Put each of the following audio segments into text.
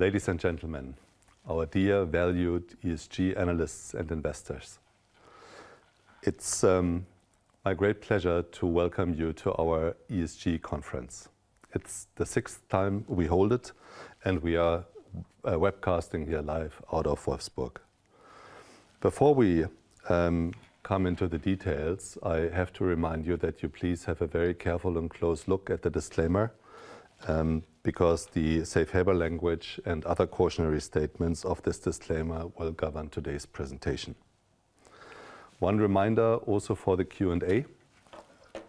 Ladies and gentlemen, our dear valued ESG analysts and investors. It's my great pleasure to welcome you to our ESG conference. It's the sixth time we hold it, and we are webcasting here live out of Wolfsburg. Before we come into the details, I have to remind you that you please have a very careful and close look at the disclaimer, because the safe harbor language and other cautionary statements of this disclaimer will govern today's presentation. One reminder also for the Q&A: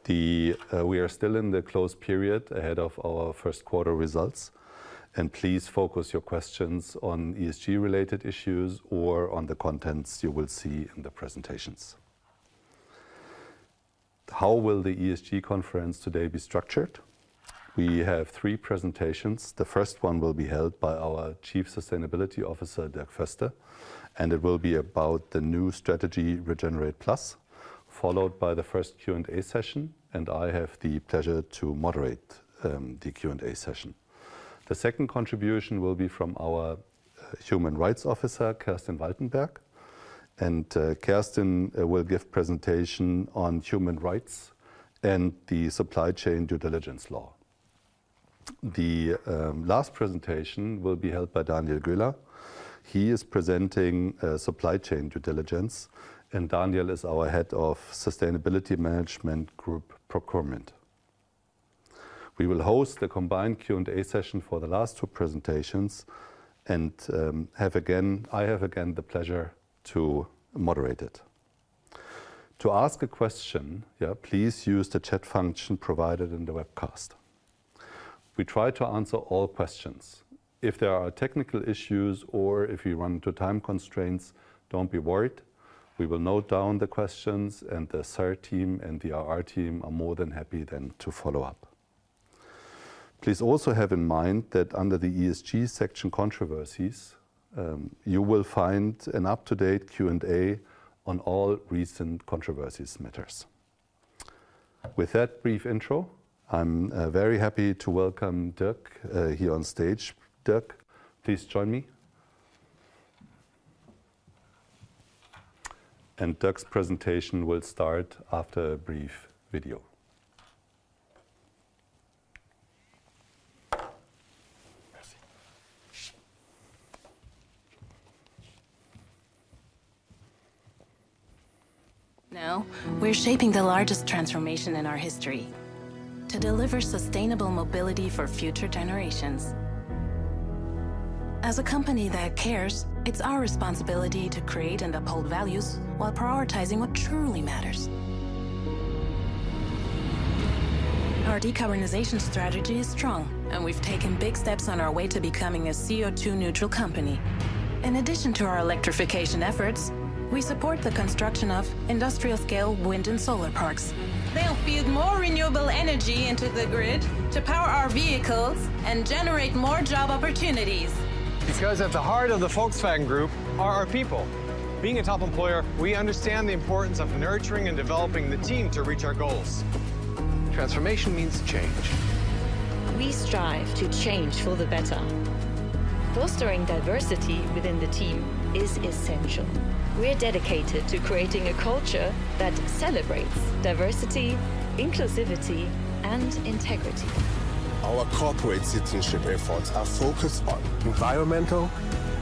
we are still in the closed period ahead of our first quarter results, and please focus your questions on ESG-related issues or on the contents you will see in the presentations. How will the ESG conference today be structured? We have three presentations. The first one will be held by our Chief Sustainability Officer, Dirk Voeste, and it will be about the new strategy Regenerate+, followed by the first Q&A session, and I have the pleasure to moderate the Q&A session. The second contribution will be from our Human Rights Officer, Kerstin Waltenberg, and Kerstin will give a presentation on human rights and the supply chain due diligence law. The last presentation will be held by Daniel Göhler. He is presenting supply chain due diligence, and Daniel is our Head of Sustainability Management Group Procurement. We will host the combined Q&A session for the last two presentations, and I have again the pleasure to moderate it. To ask a question, yeah, please use the chat function provided in the webcast. We try to answer all questions. If there are technical issues or if you run into time constraints, don't be worried. We will note down the questions, and the SAR team and RR team are more than happy then to follow up. Please also have in mind that under the ESG section controversies, you will find an up-to-date Q&A on all recent controversies matters. With that brief intro, I'm very happy to welcome Dirk here on stage. Dirk, please join me. Dirk's presentation will start after a brief video. Merci. Now we're shaping the largest transformation in our history to deliver sustainable mobility for future generations. As a company that cares, it's our responsibility to create and uphold values while prioritizing what truly matters. Our decarbonization strategy is strong, and we've taken big steps on our way to becoming a CO2-neutral company. In addition to our electrification efforts, we support the construction of industrial-scale wind and solar parks. They'll feed more renewable energy into the grid to power our vehicles and generate more job opportunities. Because at the heart of the Volkswagen Group are our people. Being a top employer, we understand the importance of nurturing and developing the team to reach our goals. Transformation means change. We strive to change for the better. Fostering diversity within the team is essential. We're dedicated to creating a culture that celebrates diversity, inclusivity, and integrity. Our corporate citizenship efforts are focused on environmental,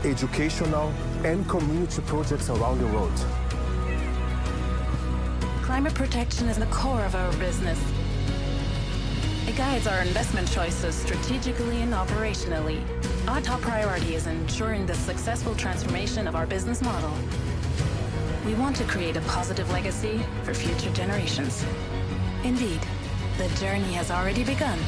educational, and community projects around the world. Climate protection is the core of our business. It guides our investment choices strategically and operationally. Our top priority is ensuring the successful transformation of our business model. We want to create a positive legacy for future generations. Indeed, the journey has already begun.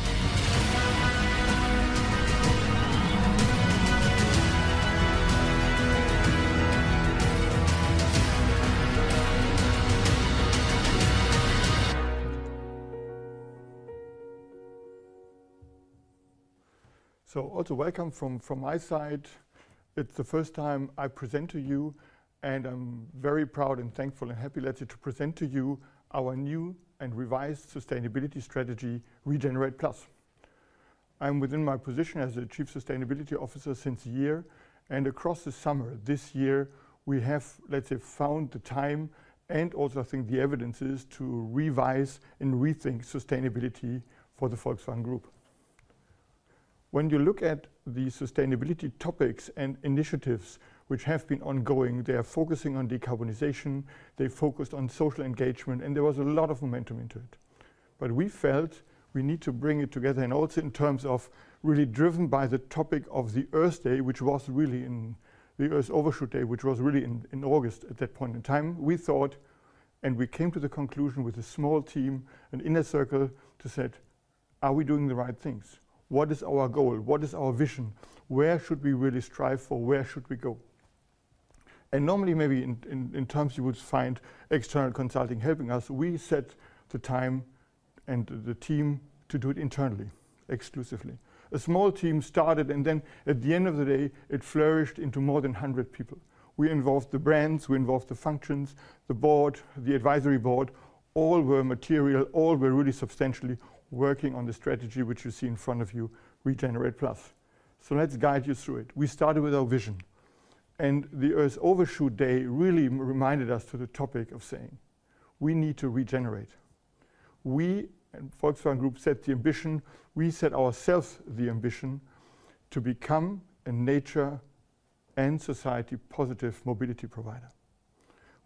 So, also welcome from my side. It's the first time I present to you, and I'm very proud and thankful and happy, let's say, to present to you our new and revised sustainability strategy Regenerate+. I'm within my position as the Chief Sustainability Officer since a year, and across the summer this year, we have, let's say, found the time and also I think the evidences to revise and rethink sustainability for the Volkswagen Group. When you look at the sustainability topics and initiatives which have been ongoing, they are focusing on decarbonization, they focused on social engagement, and there was a lot of momentum into it. But we felt we need to bring it together and also in terms of really driven by the topic of Earth Overshoot Day, which was really in August at that point in time, we thought, and we came to the conclusion with a small team, an inner circle, to say, are we doing the right things? What is our goal? What is our vision? Where should we really strive for? Where should we go? And normally maybe in terms you would find external consulting helping us, we set the time and the team to do it internally, exclusively. A small team started, and then at the end of the day, it flourished into more than 100 people. We involved the brands, we involved the functions, the board, the advisory board; all were material, all were really substantially working on the strategy which you see in front of you, Regenerate+. So let's guide you through it. We started with our vision, and the Earth Overshoot Day really reminded us to the topic of saying, we need to regenerate. We and Volkswagen Group set the ambition, we set ourselves the ambition to become a nature and society positive mobility provider.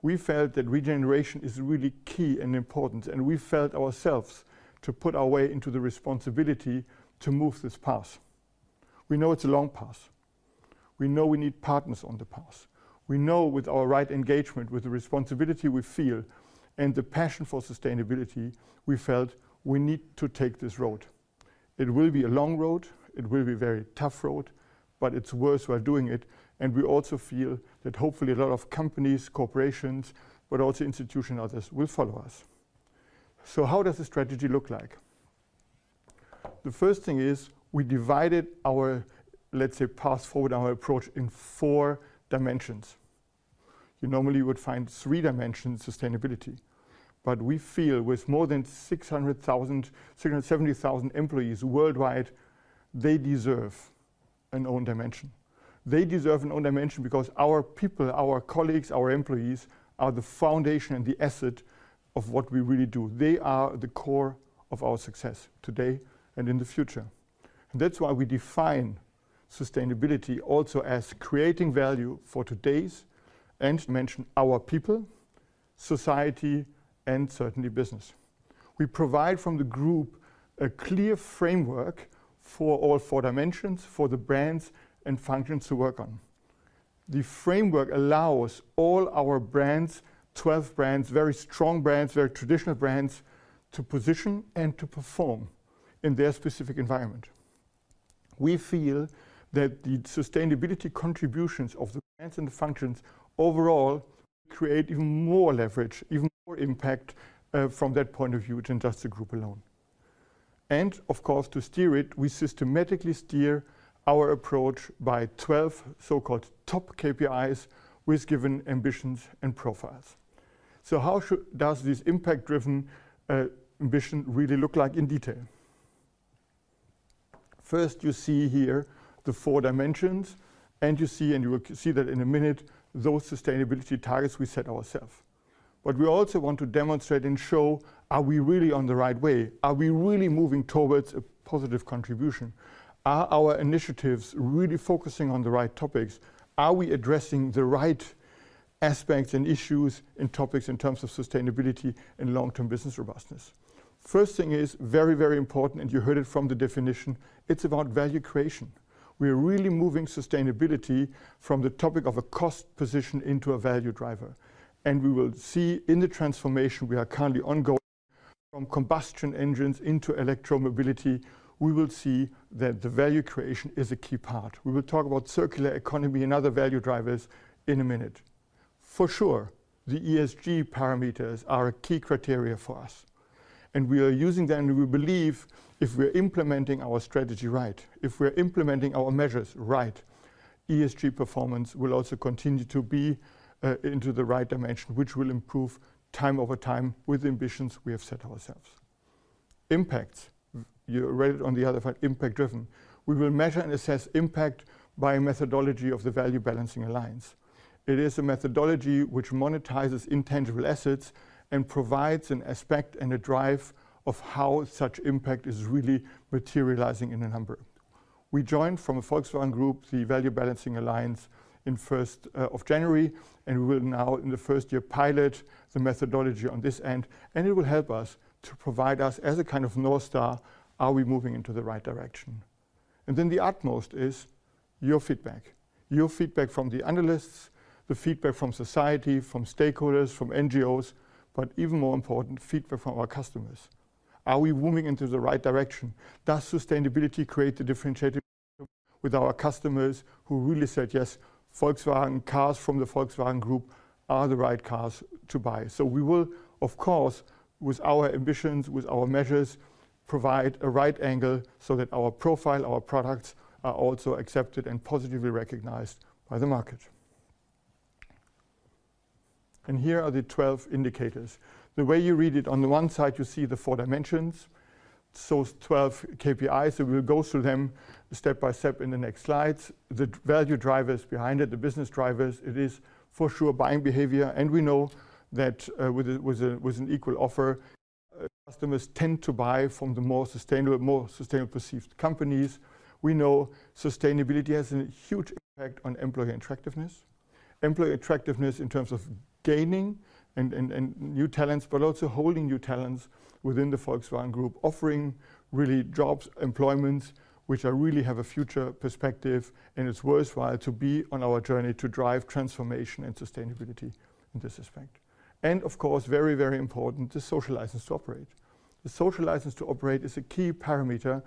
We felt that regeneration is really key and important, and we felt ourselves to put our way into the responsibility to move this path. We know it's a long path. We know we need partners on the path. We know with our right engagement, with the responsibility we feel and the passion for sustainability, we felt we need to take this road. It will be a long road, it will be a very tough road, but it's worthwhile doing it, and we also feel that hopefully a lot of companies, corporations, but also institutional others will follow us. So how does the strategy look like? The first thing is we divided our, let's say, path forward, our approach in four dimensions. You normally would find three dimensions in sustainability, but we feel with more than 600,000, 670,000 employees worldwide, they deserve an own dimension. They deserve an own dimension because our people, our colleagues, our employees are the foundation and the asset of what we really do. They are the core of our success today and in the future. And that's why we define sustainability also as creating value for today's and. Mention our people, society, and certainly business. We provide from the group a clear framework for all four dimensions, for the brands and functions to work on. The framework allows all our brands, 12 brands, very strong brands, very traditional brands to position and to perform in their specific environment. We feel that the sustainability contributions of the brands and the functions overall create even more leverage, even more impact, from that point of view than just the group alone. And of course, to steer it, we systematically steer our approach by 12 so-called top KPIs with given ambitions and profiles. So how should this impact-driven ambition really look like in detail? First, you see here the four dimensions, and you see, and you will see that in a minute, those sustainability targets we set ourselves. But we also want to demonstrate and show, are we really on the right way? Are we really moving towards a positive contribution? Are our initiatives really focusing on the right topics? Are we addressing the right aspects and issues and topics in terms of sustainability and long-term business robustness? First thing is very, very important, and you heard it from the definition. It's about value creation. We are really moving sustainability from the topic of a cost position into a value driver. We will see in the transformation we are currently ongoing from combustion engines into electromobility. We will see that the value creation is a key part. We will talk about circular economy and other value drivers in a minute. For sure, the ESG parameters are a key criteria for us. And we are using them, and we believe if we are implementing our strategy right, if we are implementing our measures right, ESG performance will also continue to be into the right dimension, which will improve time over time with the ambitions we have set ourselves. Impacts, you read it on the other side, impact-driven. We will measure and assess impact by a methodology of the Value Balancing Alliance. It is a methodology which monetizes intangible assets and provides an aspect and a drive of how such impact is really materializing in a number. We joined from the Volkswagen Group the Value Balancing Alliance in the first of January, and we will now in the first year pilot the methodology on this end, and it will help us to provide us as a kind of North Star, are we moving into the right direction? Then the utmost is your feedback. Your feedback from the analysts, the feedback from society, from stakeholders, from NGOs, but even more important, feedback from our customers. Are we moving into the right direction? Does sustainability create a differentiator with our customers who really said, yes, Volkswagen cars from the Volkswagen Group are the right cars to buy? So we will, of course, with our ambitions, with our measures, provide a right angle so that our profile, our products are also accepted and positively recognized by the market. And here are the 12 indicators. The way you read it, on the one side you see the four dimensions, so 12 KPIs, so we will go through them step by step in the next slides. The value drivers behind it, the business drivers, it is for sure buying behavior, and we know that with an equal offer, customers tend to buy from the more sustainable perceived companies. We know sustainability has a huge impact on employee attractiveness. Employee attractiveness in terms of gaining and new talents, but also holding new talents within the Volkswagen Group, offering really jobs, employments, which really have a future perspective, and it's worthwhile to be on our journey to drive transformation and sustainability in this aspect. Of course, very, very important, the social license to operate. The social license to operate is a key parameter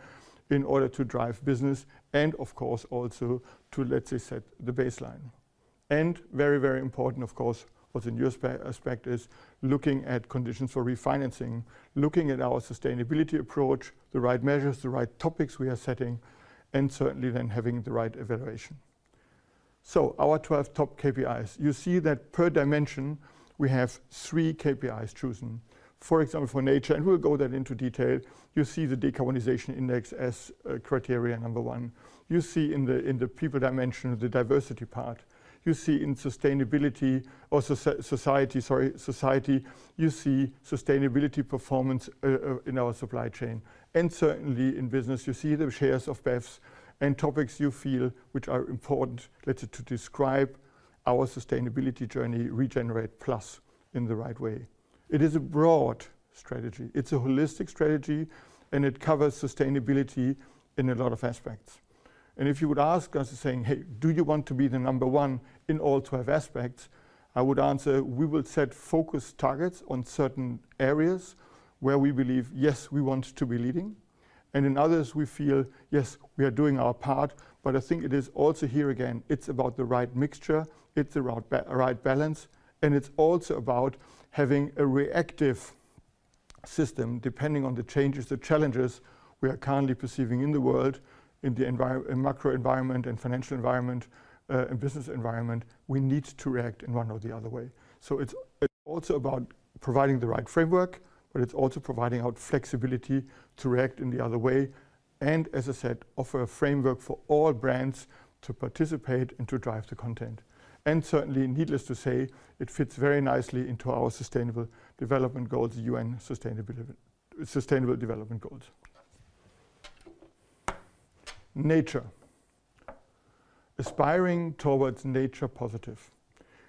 in order to drive business and of course also to, let's say, set the baseline. Very, very important, of course, also in your aspect is looking at conditions for refinancing, looking at our sustainability approach, the right measures, the right topics we are setting, and certainly then having the right evaluation. Our 12 top KPIs. You see that per dimension we have three KPIs chosen. For example, for nature, and we'll go that into detail, you see the Decarbonization Index as a criteria number one. You see in the people dimension, the diversity part. You see in sustainability or society, sorry, society, you see sustainability performance in our supply chain. And certainly in business, you see the shares of BEVs and topics you feel which are important, let's say, to describe our sustainability journey, Regenerate+ in the right way. It is a broad strategy. It's a holistic strategy, and it covers sustainability in a lot of aspects. If you would ask us, saying, hey, do you want to be the number one in all 12 aspects? I would answer, we will set focused targets on certain areas where we believe, yes, we want to be leading. In others we feel, yes, we are doing our part, but I think it is also here again, it's about the right mixture, it's about the right balance, and it's also about having a reactive system depending on the changes, the challenges we are currently perceiving in the world, in the environment, macro environment, and financial environment, and business environment, we need to react in one or the other way. So it's, it's also about providing the right framework, but it's also providing our flexibility to react in the other way. As I said, offer a framework for all brands to participate and to drive the content. Certainly, needless to say, it fits very nicely into our sustainable development goals, the UN Sustainable Development Goals. Nature. Aspiring towards nature positive.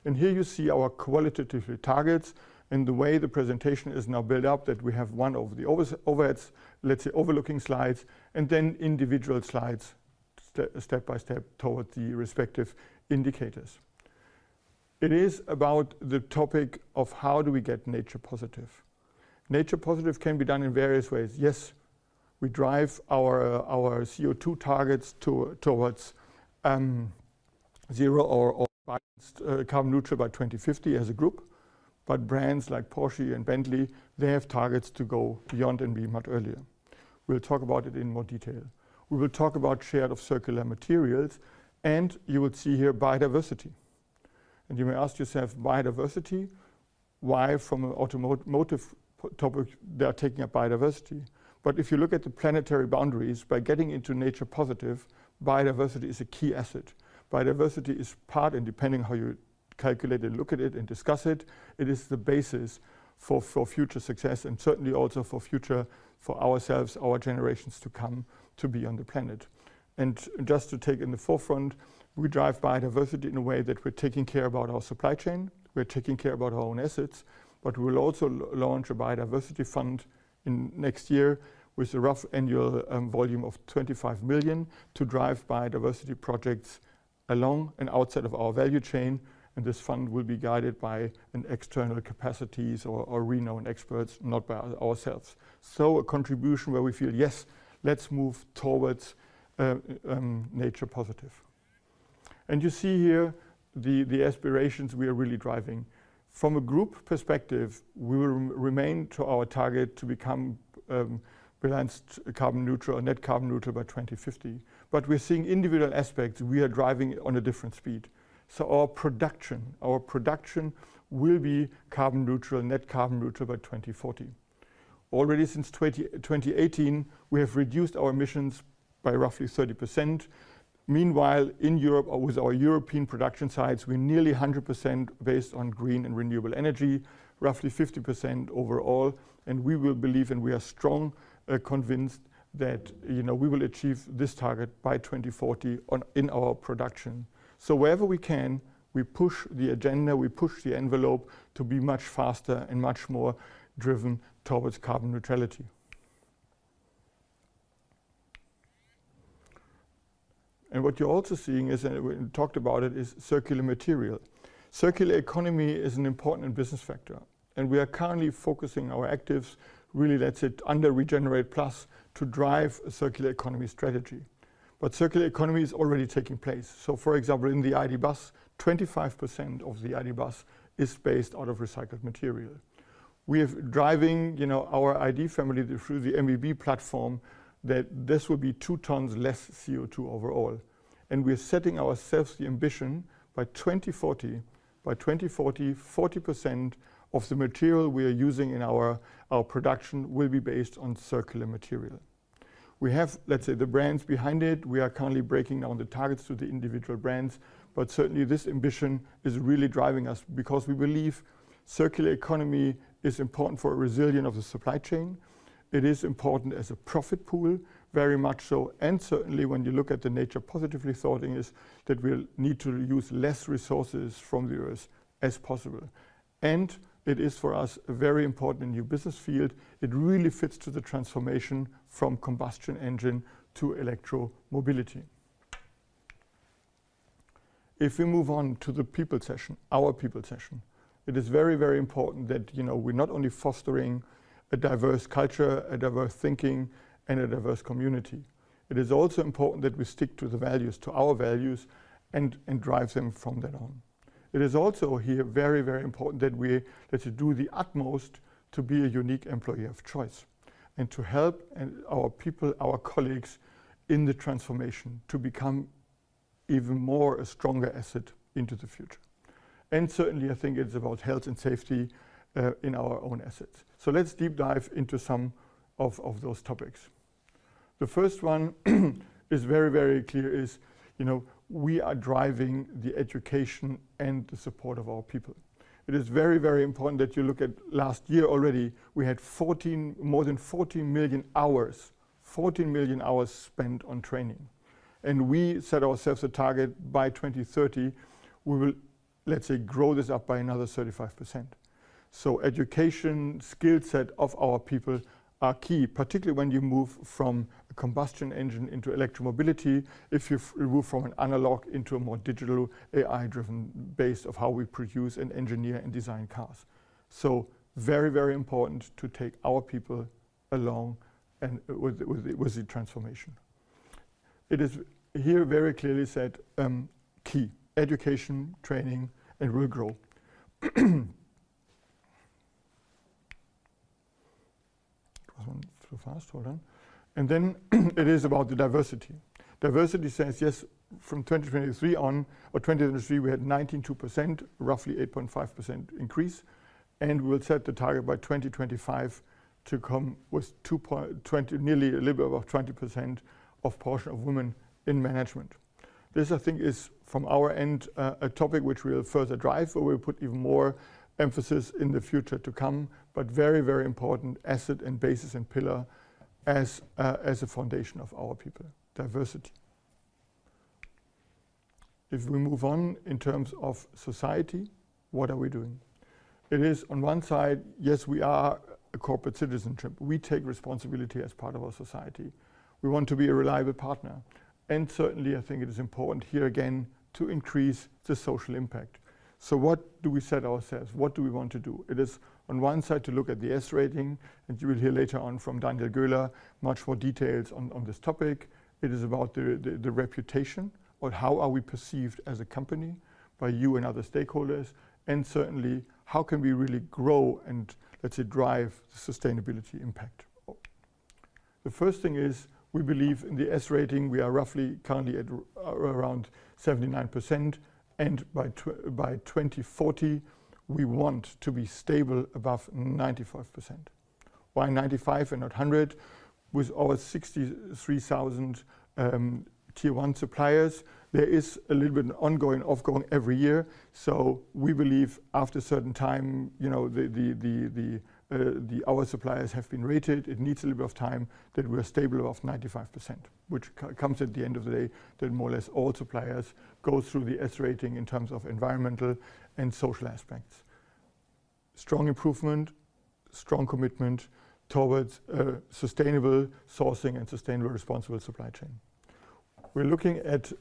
And here you see our qualitative targets and the way the presentation is now built up, that we have one over the overheads, let's say, overlooking slides, and then individual slides step by step towards the respective indicators. It is about the topic of how do we get nature positive. Nature positive can be done in various ways. Yes, we drive our, our CO2 targets towards zero or carbon neutral by 2050 as a group. But brands like Porsche and Bentley, they have targets to go beyond and be much earlier. We'll talk about it in more detail. We will talk about shared circular materials, and you will see here biodiversity. And you may ask yourself, biodiversity, why from an automotive topic they are taking up biodiversity? But if you look at the planetary boundaries, by getting into nature positive, biodiversity is a key asset. Biodiversity is part, and depending on how you calculate and look at it and discuss it, it is the basis for, for future success and certainly also for future, for ourselves, our generations to come to be on the planet. And just to take in the forefront, we drive biodiversity in a way that we're taking care about our supply chain, we're taking care about our own assets, but we will also launch a biodiversity fund in next year with a rough annual volume of 25 million to drive biodiversity projects along and outside of our value chain. And this fund will be guided by external capacities or, or renowned experts, not by ourselves. So, a contribution where we feel, yes, let's move towards nature positive. You see here the aspirations we are really driving. From a group perspective, we will remain to our target to become balanced carbon neutral or net carbon neutral by 2050. But we're seeing individual aspects, we are driving on a different speed. So our production, our production will be carbon neutral, net carbon neutral by 2040. Already since 2018, we have reduced our emissions by roughly 30%. Meanwhile, in Europe, with our European production sites, we're nearly 100% based on green and renewable energy, roughly 50% overall. We will believe, and we are strongly convinced that, you know, we will achieve this target by 2040 in our production. So wherever we can, we push the agenda, we push the envelope to be much faster and much more driven towards carbon neutrality. What you're also seeing is, and we talked about it, is circular material. Circular economy is an important business factor. We are currently focusing our activities really, let's say, under Regenerate+ to drive a circular economy strategy. But circular economy is already taking place. So for example, in the ID. Buzz, 25% of the ID. Buzz is based out of recycled material. We are driving, you know, our ID. family through the MEB platform that this will be two tons less CO2 overall. We are setting ourselves the ambition by 2040, by 2040, 40% of the material we are using in our, our production will be based on circular material. We have, let's say, the brands behind it. We are currently breaking down the targets to the individual brands, but certainly this ambition is really driving us because we believe circular economy is important for a resilience of the supply chain. It is important as a profit pool, very much so. Certainly when you look at the nature positively thought is that we'll need to use less resources from the Earth as possible. It is for us a very important new business field. It really fits to the transformation from combustion engine to electromobility. If we move on to the people session, our people session, it is very, very important that, you know, we're not only fostering a diverse culture, a diverse thinking, and a diverse community. It is also important that we stick to the values, to our values, and, and drive them from then on. It is also here very, very important that we, let's say, do the utmost to be a unique employee of choice. And to help our people, our colleagues in the transformation to become even more a stronger asset into the future. And certainly I think it's about health and safety, in our own assets. So let's deep dive into some of those topics. The first one is very, very clear, you know, we are driving the education and the support of our people. It is very, very important that you look at last year already, we had more than 14 million hours, 14 million hours spent on training. And we set ourselves a target by 2030, we will, let's say, grow this up by another 35%. So education, skill set of our people are key, particularly when you move from a combustion engine into electromobility, if you move from an analog into a more digital AI-driven base of how we produce and engineer and design cars. So very, very important to take our people along and with the transformation. It is here very clearly said, key, education, training, and we'll grow. That was one too fast, hold on. And then it is about the diversity. Diversity says, yes, from 2023 on, or 2023, we had 19.2%, roughly 8.5% increase. And we will set the target by 2025 to come with 22.0, nearly a little bit above 20% of portion of women in management. This, I think, is from our end a topic which we'll further drive or we'll put even more emphasis in the future to come, but very, very important asset and basis and pillar as, as a foundation of our people, diversity. If we move on in terms of society, what are we doing? It is on one side, yes, we are a corporate citizenship. We take responsibility as part of our society. We want to be a reliable partner. And certainly I think it is important here again to increase the social impact. So what do we set ourselves? What do we want to do? It is on one side to look at the S-rating, and you will hear later on from Daniel Göhler much more details on, on this topic. It is about the reputation or how are we perceived as a company by you and other stakeholders. And certainly how can we really grow and, let's say, drive the sustainability impact? The first thing is we believe in the S-rating, we are roughly currently at around 79%. And by 2040, we want to be stable above 95%. Why 95 and not 100? With our 63,000 Tier One suppliers, there is a little bit of ongoing, offgoing every year. So we believe after a certain time, you know, our suppliers have been rated, it needs a little bit of time that we are stable above 95%, which comes at the end of the day that more or less all suppliers go through the S-rating in terms of environmental and social aspects. Strong improvement, strong commitment towards sustainable sourcing and sustainable responsible supply chain. We're looking at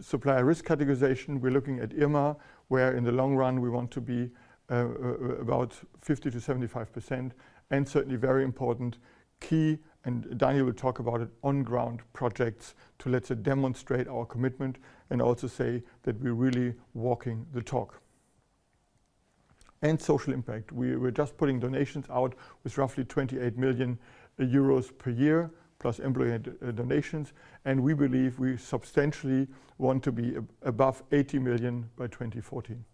supplier risk categorization, we're looking at IRMA, where in the long run we want to be about 50%-75%. And certainly very important key, and Daniel will talk about it, on-ground projects to, let's say, demonstrate our commitment and also say that we're really walking the talk. And social impact, we're just putting donations out with roughly 28 million euros per year plus employee donations. And we believe we substantially want to be above 80 million by 2014.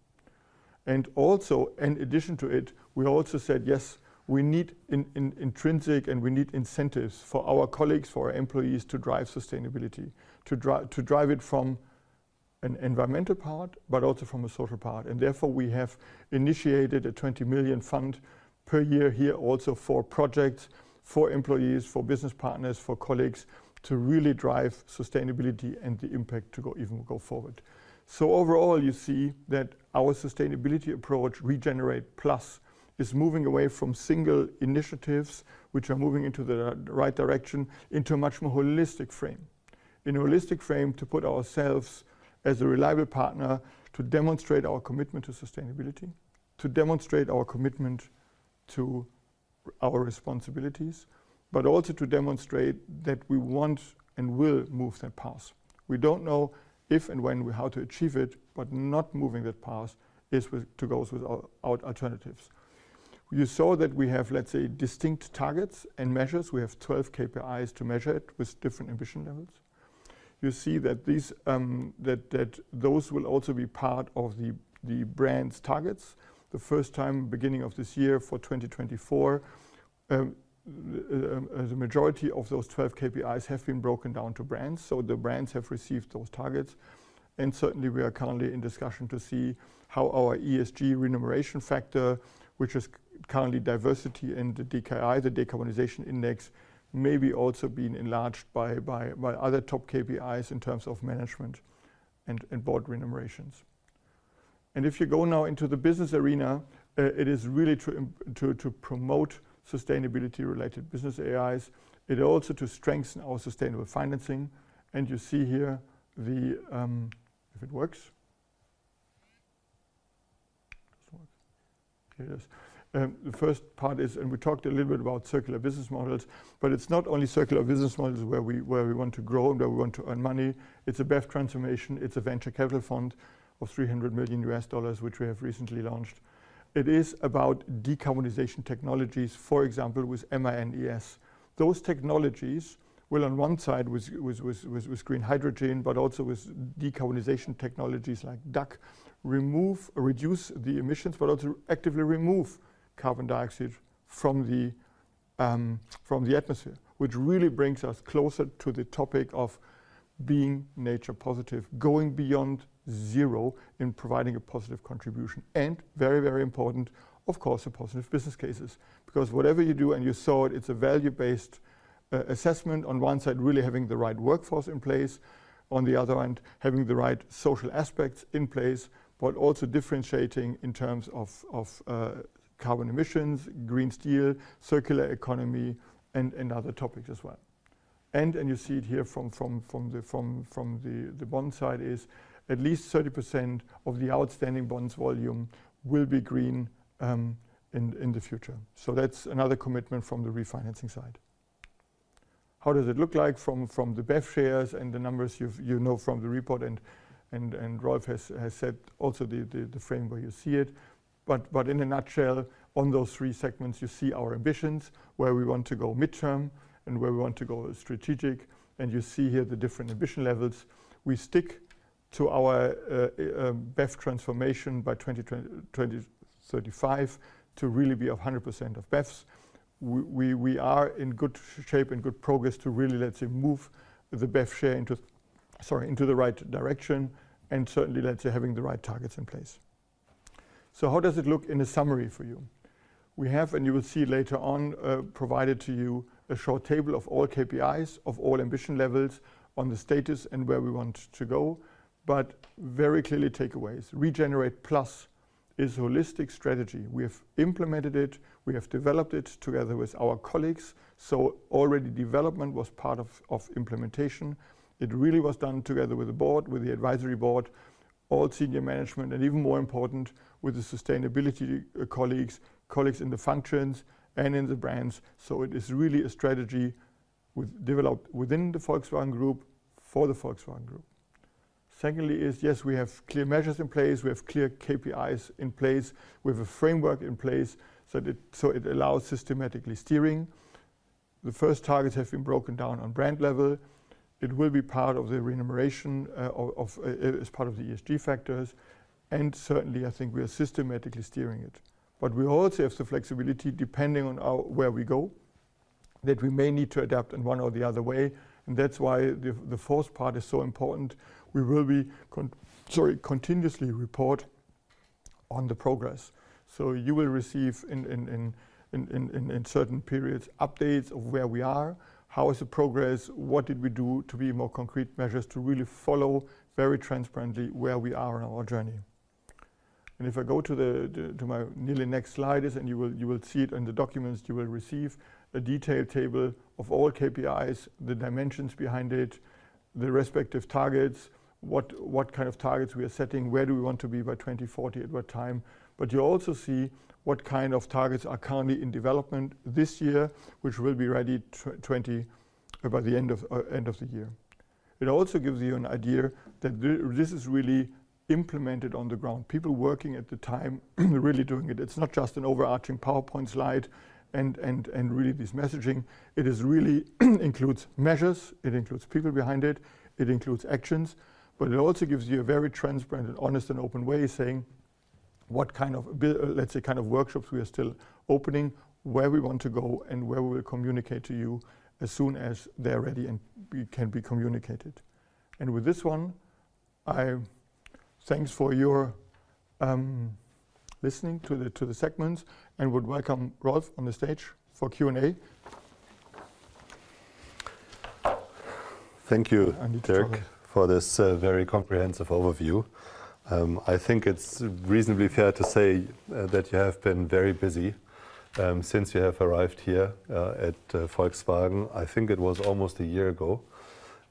And also, in addition to it, we also said, yes, we need intrinsic and we need incentives for our colleagues, for our employees to drive sustainability, to drive it from an environmental part, but also from a social part. Therefore we have initiated a 20 million fund per year here also for projects, for employees, for business partners, for colleagues to really drive sustainability and the impact to go even go forward. Overall you see that our sustainability approach, regenerate+, is moving away from single initiatives, which are moving into the right direction, into a much more holistic frame. In a holistic frame to put ourselves as a reliable partner, to demonstrate our commitment to sustainability, to demonstrate our commitment to our responsibilities, but also to demonstrate that we want and will move that path. We don't know if and when, how to achieve it, but not moving that path is to go with our alternatives. You saw that we have, let's say, distinct targets and measures, we have 12 KPIs to measure it with different ambition levels. You see that these, that those will also be part of the, the brand's targets. The first time, beginning of this year for 2024, the majority of those 12 KPIs have been broken down to brands. So the brands have received those targets. And certainly we are currently in discussion to see how our ESG remuneration factor, which is currently diversity and the DKI, the Decarbonization Index, may be also being enlarged by other top KPIs in terms of management and board remunerations. And if you go now into the business arena, it is really to promote sustainability-related business areas. It is also to strengthen our sustainable financing. And you see here the, if it works. It doesn't work. Here it is. The first part is, and we talked a little bit about circular business models, but it's not only circular business models where we want to grow and where we want to earn money. It's a BEV transformation, it's a venture capital fund of $300 million, which we have recently launched. It is about decarbonization technologies, for example, with MINES. Those technologies will, on one side, with green hydrogen, but also with decarbonization technologies like DAK, remove, reduce the emissions, but also actively remove carbon dioxide from the atmosphere, which really brings us closer to the topic of being nature positive, going beyond zero in providing a positive contribution. And very, very important, of course, the positive business cases. Because whatever you do, and you saw it, it's a value-based assessment on one side really having the right workforce in place, on the other hand having the right social aspects in place, but also differentiating in terms of carbon emissions, green steel, circular economy, and other topics as well. And you see it here from the bond side: at least 30% of the outstanding bonds volume will be green in the future. So that's another commitment from the refinancing side. How does it look like from the BEV shares and the numbers you've you know from the report and Rolf has said also the frame where you see it. In a nutshell, on those three segments you see our ambitions, where we want to go mid-term and where we want to go strategic. And you see here the different ambition levels. We stick to our BEV transformation by 2035 to really be 100% of BEVs. We are in good shape and good progress to really, let's say, move the BEV share into, sorry, into the right direction. And certainly, let's say, having the right targets in place. So how does it look in a summary for you? We have, and you will see later on, provided to you a short table of all KPIs, of all ambition levels on the status and where we want to go. But very clearly takeaways, Regenerate+ is a holistic strategy. We have implemented it, we have developed it together with our colleagues. So already development was part of, of implementation. It really was done together with the board, with the advisory board, all senior management and even more important with the sustainability colleagues, colleagues in the functions and in the brands. So it is really a strategy with developed within the Volkswagen Group for the Volkswagen Group. Secondly is, yes, we have clear measures in place, we have clear KPIs in place, we have a framework in place so that it, so it allows systematically steering. The first targets have been broken down on brand level. It will be part of the remuneration of, of as part of the ESG factors. And certainly I think we are systematically steering it. But we also have the flexibility depending on our where we go, that we may need to adapt in one or the other way. That's why the fourth part is so important. We will be, sorry, continuously report on the progress. So you will receive in certain periods updates of where we are, how is the progress, what did we do to be more concrete measures to really follow very transparently where we are on our journey. And if I go to my nearly next slide is, and you will see it in the documents, you will receive a detailed table of all KPIs, the dimensions behind it, the respective targets, what kind of targets we are setting, where do we want to be by 2040, at what time. But you also see what kind of targets are currently in development this year, which will be ready 2024 by the end of the year. It also gives you an idea that this is really implemented on the ground, people working at the time really doing it. It's not just an overarching PowerPoint slide and really this messaging. It is really includes measures, it includes people behind it, it includes actions. But it also gives you a very transparent and honest and open way saying what kind of, let's say, kind of workshops we are still opening, where we want to go and where we will communicate to you as soon as they're ready and can be communicated. And with this one, I thanks for your listening to the segments and would welcome Rolf on the stage for Q&A. Thank you, Dirk, for this very comprehensive overview. I think it's reasonably fair to say that you have been very busy since you have arrived here at Volkswagen. I think it was almost a year ago.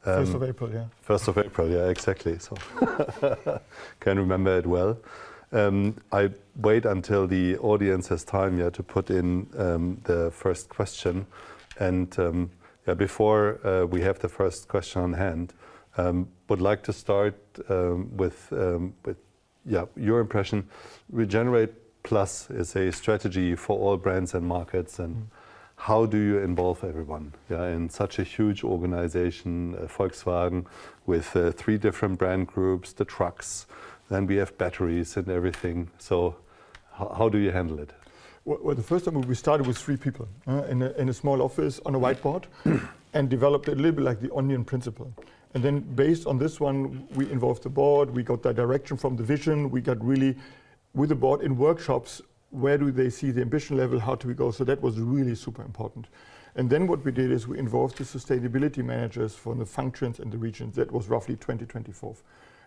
First of April, yeah. First of April, yeah, exactly. I can remember it well. I wait until the audience has time here to put in the first question. Yeah, before we have the first question on hand, I would like to start with, with, yeah, your impression. Regenerate+ is a strategy for all brands and markets. How do you involve everyone in such a huge organization, Volkswagen, with 3 different brand groups, the trucks, then we have batteries and everything. So how do you handle it? Well, the first time we started with 3 people in a small office on a whiteboard and developed it a little bit like the onion principle. And then, based on this one, we involved the board. We got that direction from the vision. We got really with the board in workshops, where do they see the ambition level, how do we go. So that was really super important. And then what we did is we involved the sustainability managers from the functions and the regions, that was roughly 2024.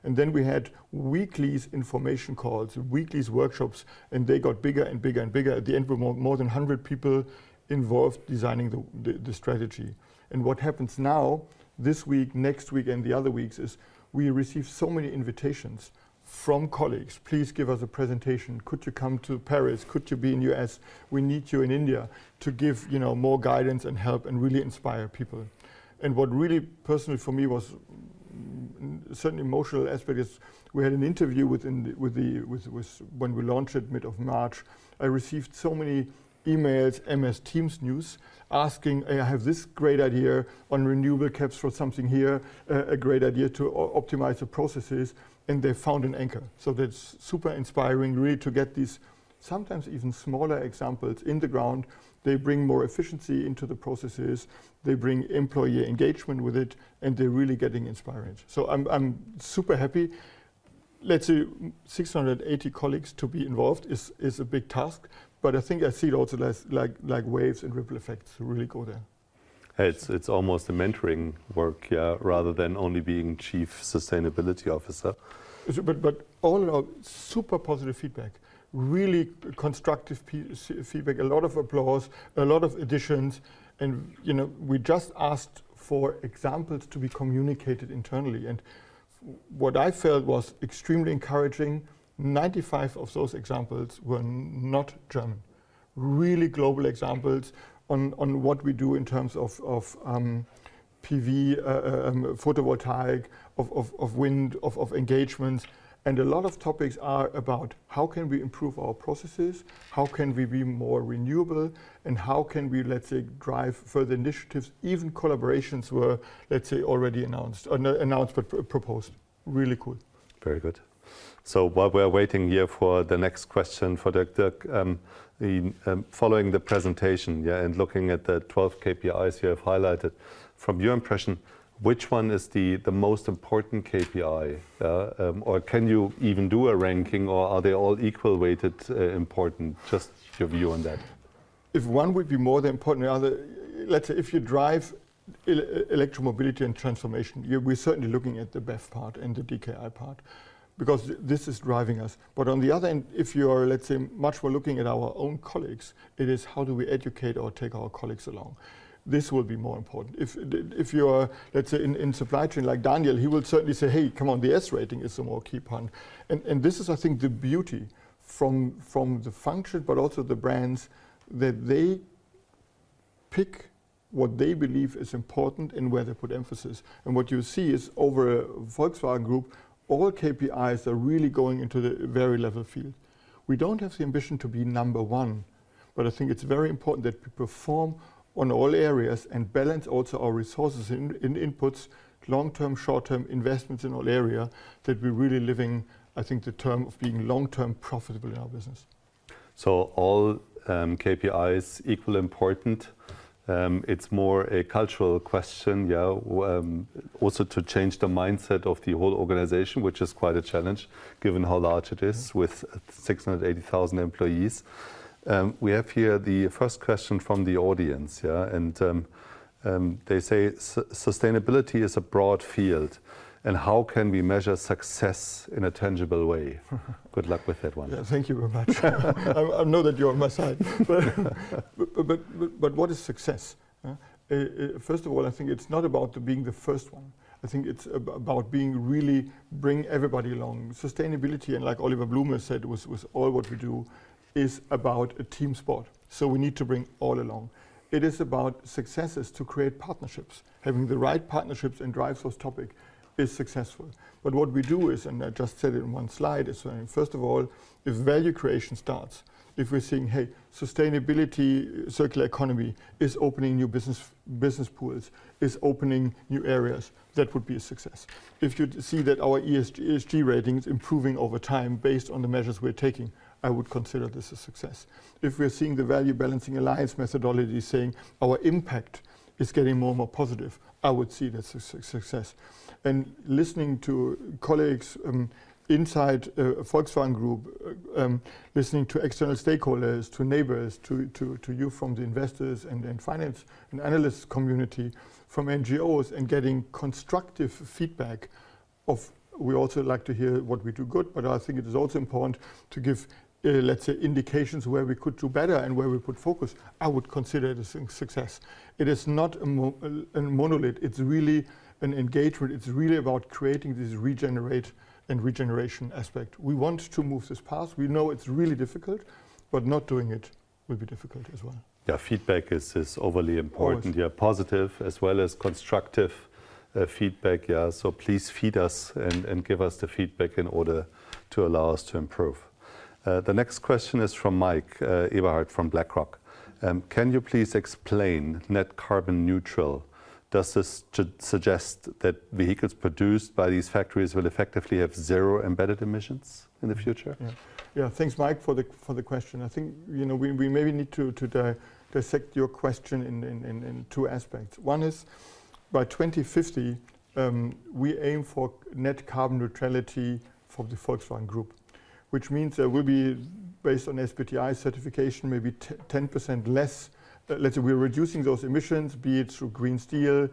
And then we had weeklies information calls, weeklies workshops, and they got bigger and bigger and bigger. At the end, we were more than 100 people involved designing the strategy. And what happens now, this week, next week and the other weeks is we receive so many invitations from colleagues, please give us a presentation, could you come to Paris, could you be in the U.S., we need you in India to give, you know, more guidance and help and really inspire people. What really personally for me was certainly the emotional aspect is we had an interview with the when we launched it mid of March. I received so many emails, MS Teams news, asking, I have this great idea on renewable caps for something here, a great idea to optimize the processes. And they found an anchor. So that's super inspiring, really, to get these sometimes even smaller examples on the ground. They bring more efficiency into the processes, they bring employee engagement with it, and they're really getting inspired. So I'm super happy. Let's say 680 colleagues to be involved is a big task. But I think I see it also like waves and ripple effects to really go there. Hey, it's almost the mentoring work, yeah, rather than only being Chief Sustainability Officer. But all in all, super positive feedback, really constructive feedback, a lot of applause, a lot of additions. And, you know, we just asked for examples to be communicated internally. And what I felt was extremely encouraging, 95 of those examples were not German. Really global examples on what we do in terms of PV, photovoltaic, wind, engagements. And a lot of topics are about how can we improve our processes, how can we be more renewable, and how can we, let's say, drive further initiatives, even collaborations were, let's say, already announced, but proposed. Really cool. Very good. So while we are waiting here for the next question for Dirk, Dirk, following the presentation, yeah, and looking at the 12 KPIs you have highlighted, from your impression, which one is the most important KPI? Yeah, or can you even do a ranking or are they all equal weighted important? Just your view on that. If one would be more than important, the other, let's say, if you drive electromobility and transformation, we're certainly looking at the BEV part and the DKI part. Because this is driving us. But on the other end, if you are, let's say, much more looking at our own colleagues, it is how do we educate or take our colleagues along. This will be more important. If you are, let's say, in supply chain like Daniel, he will certainly say, hey, come on, the S-rating is the more key one. And this is, I think, the beauty from the functions, but also the brands, that they pick what they believe is important and where they put emphasis. What you see is over Volkswagen Group, all KPIs are really going into the very level field. We don't have the ambition to be number one. But I think it's very important that we perform on all areas and balance also our resources in inputs, long-term, short-term investments in all area, that we're really living, I think, the term of being long-term profitable in our business. So all KPIs equally important. It's more a cultural question, yeah, also to change the mindset of the whole organization, which is quite a challenge, given how large it is with 680,000 employees. We have here the first question from the audience, yeah, and they say sustainability is a broad field. And how can we measure success in a tangible way? Good luck with that one. Yeah, thank you very much. I know that you're on my side. But what is success? First of all, I think it's not about being the first one. I think it's about being really bringing everybody along. Sustainability, and like Oliver Blume said with all what we do, is about a team sport. So we need to bring all along. It is about successes to create partnerships. Having the right partnerships and drive those topics is successful. But what we do is, and I just said it in one slide, is first of all, if value creation starts, if we're seeing, hey, sustainability, circular economy is opening new business, business pools, is opening new areas, that would be a success. If you see that our ESG rating is improving over time based on the measures we're taking, I would consider this a success. If we're seeing the Value Balancing Alliance methodology saying our impact is getting more and more positive, I would see that's a success. Listening to colleagues inside a Volkswagen Group, listening to external stakeholders, to neighbors, to, to, to you from the investors and then finance and analysts community, from NGOs and getting constructive feedback of, we also like to hear what we do good, but I think it is also important to give, let's say, indications where we could do better and where we put focus, I would consider it a success. It is not a monolith, it's really an engagement, it's really about creating this regenerate and regeneration aspect. We want to move this path, we know it's really difficult, but not doing it will be difficult as well. Yeah, feedback is this overly important, yeah, positive as well as constructive feedback, yeah. So please feed us and give us the feedback in order to allow us to improve. The next question is from Mike Eberhardt from BlackRock. Can you please explain net carbon neutral? Does this suggest that vehicles produced by these factories will effectively have zero embedded emissions in the future? Yeah, thanks Mike for the question. I think, you know, we maybe need to dissect your question in two aspects. One is, by 2050, we aim for net carbon neutrality for the Volkswagen Group. Which means there will be, based on SBTi certification, maybe 10% less, let's say we're reducing those emissions, be it through green steel,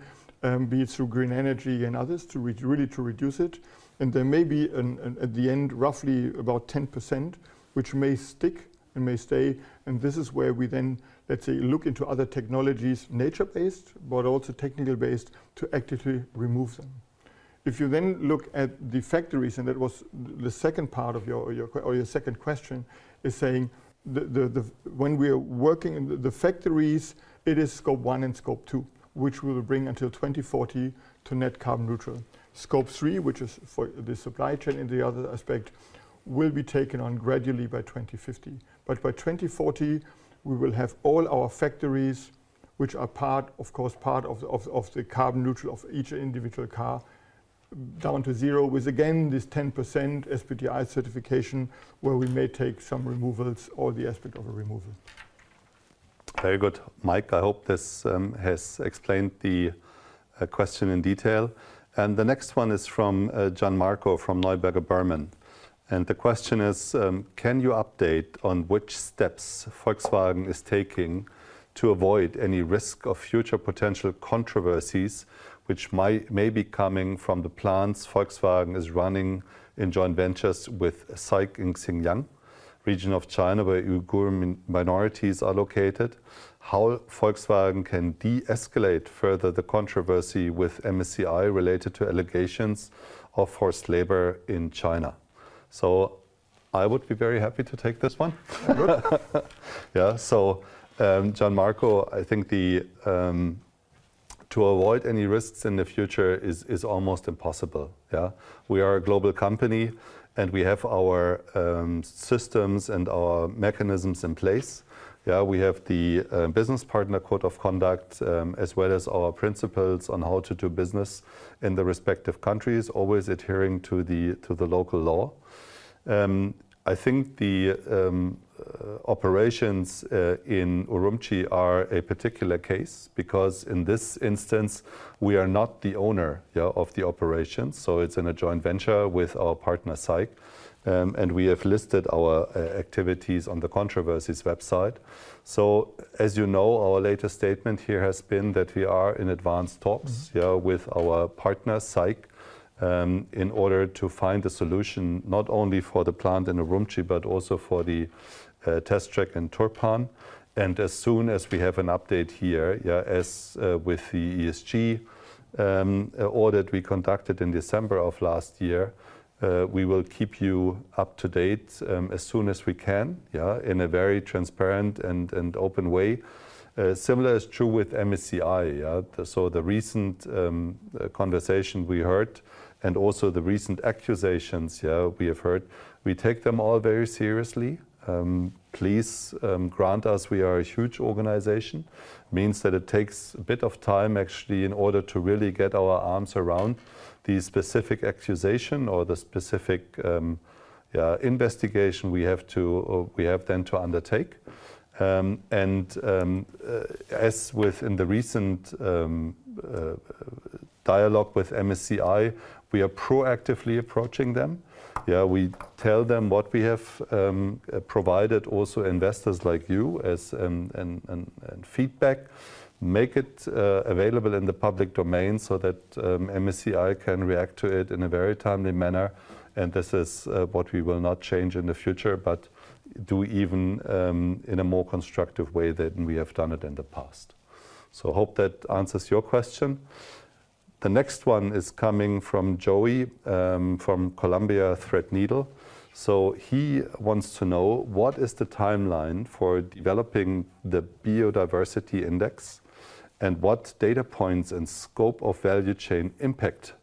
be it through green energy and others, to really reduce it. And there may be at the end roughly about 10%, which may stick and may stay. This is where we then, let's say, look into other technologies, nature-based, but also technical-based, to actively remove them. If you then look at the factories, and that was the second part of your second question, is saying, the when we are working in the factories, it is Scope 1 and Scope 2, which will bring until 2040 to net carbon neutral. Scope 3, which is for the supply chain and the other aspect, will be taken on gradually by 2050. But by 2040, we will have all our factories, which are part, of course, part of the carbon neutral of each individual car, down to zero, with again this 10% SBTI certification, where we may take some removals or the aspect of a removal. Very good. Mike, I hope this has explained the question in detail. The next one is from Gianmarco from Neuberger Berman. The question is, can you update on which steps Volkswagen is taking to avoid any risk of future potential controversies, which may be coming from the plants Volkswagen is running in joint ventures with SAIC, Xinjiang region of China where Uyghur minorities are located? How Volkswagen can de-escalate further the controversy with MSCI related to allegations of forced labor in China? So I would be very happy to take this one. Good. Yeah, so Gianmarco, I think to avoid any risks in the future is almost impossible. Yeah, we are a global company and we have our systems and our mechanisms in place. Yeah, we have the business partner code of conduct, as well as our principles on how to do business in the respective countries, always adhering to the local law. I think the operations in Urumqi are a particular case, because in this instance, we are not the owner of the operations. So it's in a joint venture with our partner SAIC. And we have listed our activities on the controversies website. So as you know, our latest statement here has been that we are in advanced talks with our partner SAIC, in order to find a solution, not only for the plant in Urumqi, but also for the Test Track in Turpan. And as soon as we have an update here, yeah, as with the ESG audit we conducted in December of last year, we will keep you up to date as soon as we can, yeah, in a very transparent and open way. Similar is true with MSCI. So the recent conversation we heard, and also the recent accusations we have heard, we take them all very seriously. Please grant us, we are a huge organization. Means that it takes a bit of time actually in order to really get our arms around the specific accusation or the specific, yeah, investigation we have then to undertake. As within the recent dialogue with MSCI, we are proactively approaching them. Yeah, we tell them what we have, provided also investors like you and feedback, make it available in the public domain so that MSCI can react to it in a very timely manner. And this is what we will not change in the future, but do even in a more constructive way than we have done it in the past. So hope that answers your question. The next one is coming from Joey, from Columbia Threadneedle. So he wants to know, what is the timeline for developing the biodiversity index? What data points and scope of value chain impact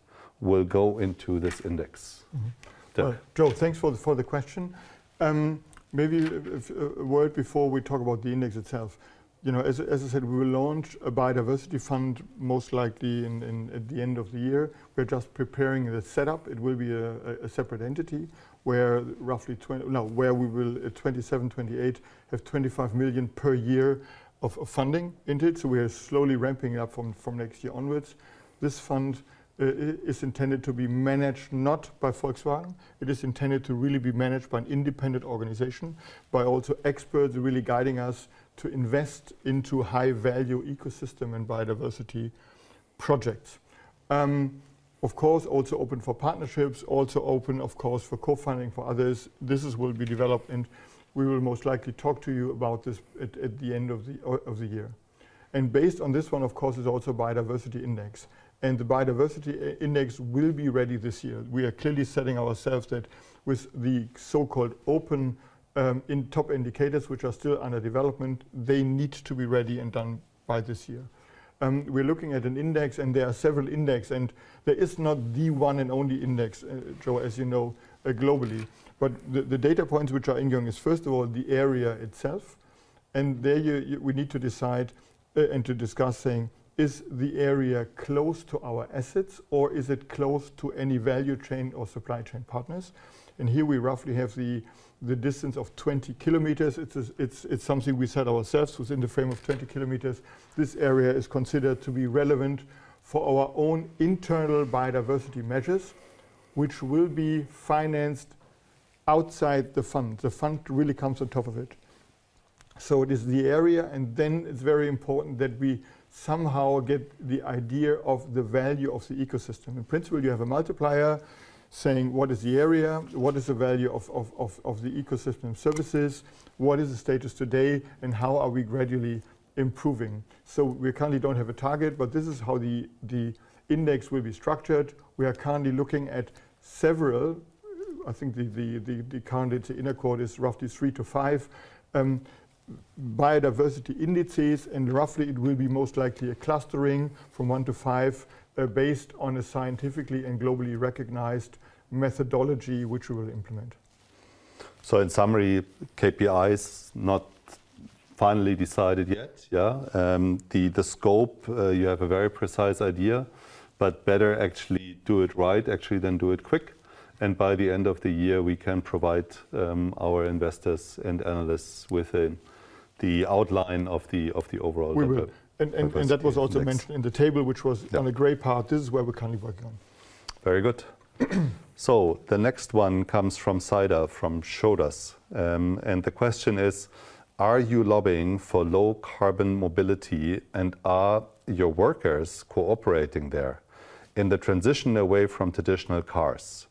will go into this index? Mm-hmm. Joe, thanks for the question. Maybe a word before we talk about the index itself. You know, as I said, we will launch a biodiversity fund most likely at the end of the year. We're just preparing the setup, it will be a separate entity. Where roughly 20, no, where we will at 2027, 2028 have 25 million per year of funding into it. So we are slowly ramping it up from next year onwards. This fund is intended to be managed not by Volkswagen. It is intended to really be managed by an independent organization, by also experts really guiding us to invest into high value ecosystem and biodiversity projects. Of course, also open for partnerships, also open, of course, for co-funding for others. This will be developed and we will most likely talk to you about this at the end of the year. Based on this one, of course, is also a biodiversity index. The biodiversity index will be ready this year. We are clearly setting ourselves that with the so-called open, in top indicators, which are still under development, they need to be ready and done by this year. We're looking at an index and there are several index and there is not the one and only index, Joe, as you know, globally. But the data points which are incoming is first of all the area itself. There we need to decide and to discuss saying, is the area close to our assets or is it close to any value chain or supply chain partners? Here we roughly have the distance of 20 kilometers. It's something we set ourselves within the frame of 20 km. This area is considered to be relevant for our own internal biodiversity measures, which will be financed outside the fund. The fund really comes on top of it. So it is the area and then it's very important that we somehow get the idea of the value of the ecosystem. In principle, you have a multiplier saying, what is the area? What is the value of the ecosystem services? What is the status today? And how are we gradually improving? So we currently don't have a target, but this is how the index will be structured. We are currently looking at several, I think currently the inner core is roughly 3-5 biodiversity indices. Roughly it will be most likely a clustering from 1 to 5, based on a scientifically and globally recognized methodology which we will implement. So in summary, KPIs not finally decided yet, yeah? The scope, you have a very precise idea. But better actually do it right, actually than do it quick. By the end of the year we can provide our investors and analysts with the outline of the overall. We will. That was also mentioned in the table, which was on a gray part. This is where we're currently working on. Very good. So the next one comes from Saida, from Schroders. And the question is, are you lobbying for low carbon mobility and are your workers cooperating there? In the transition away from traditional cars?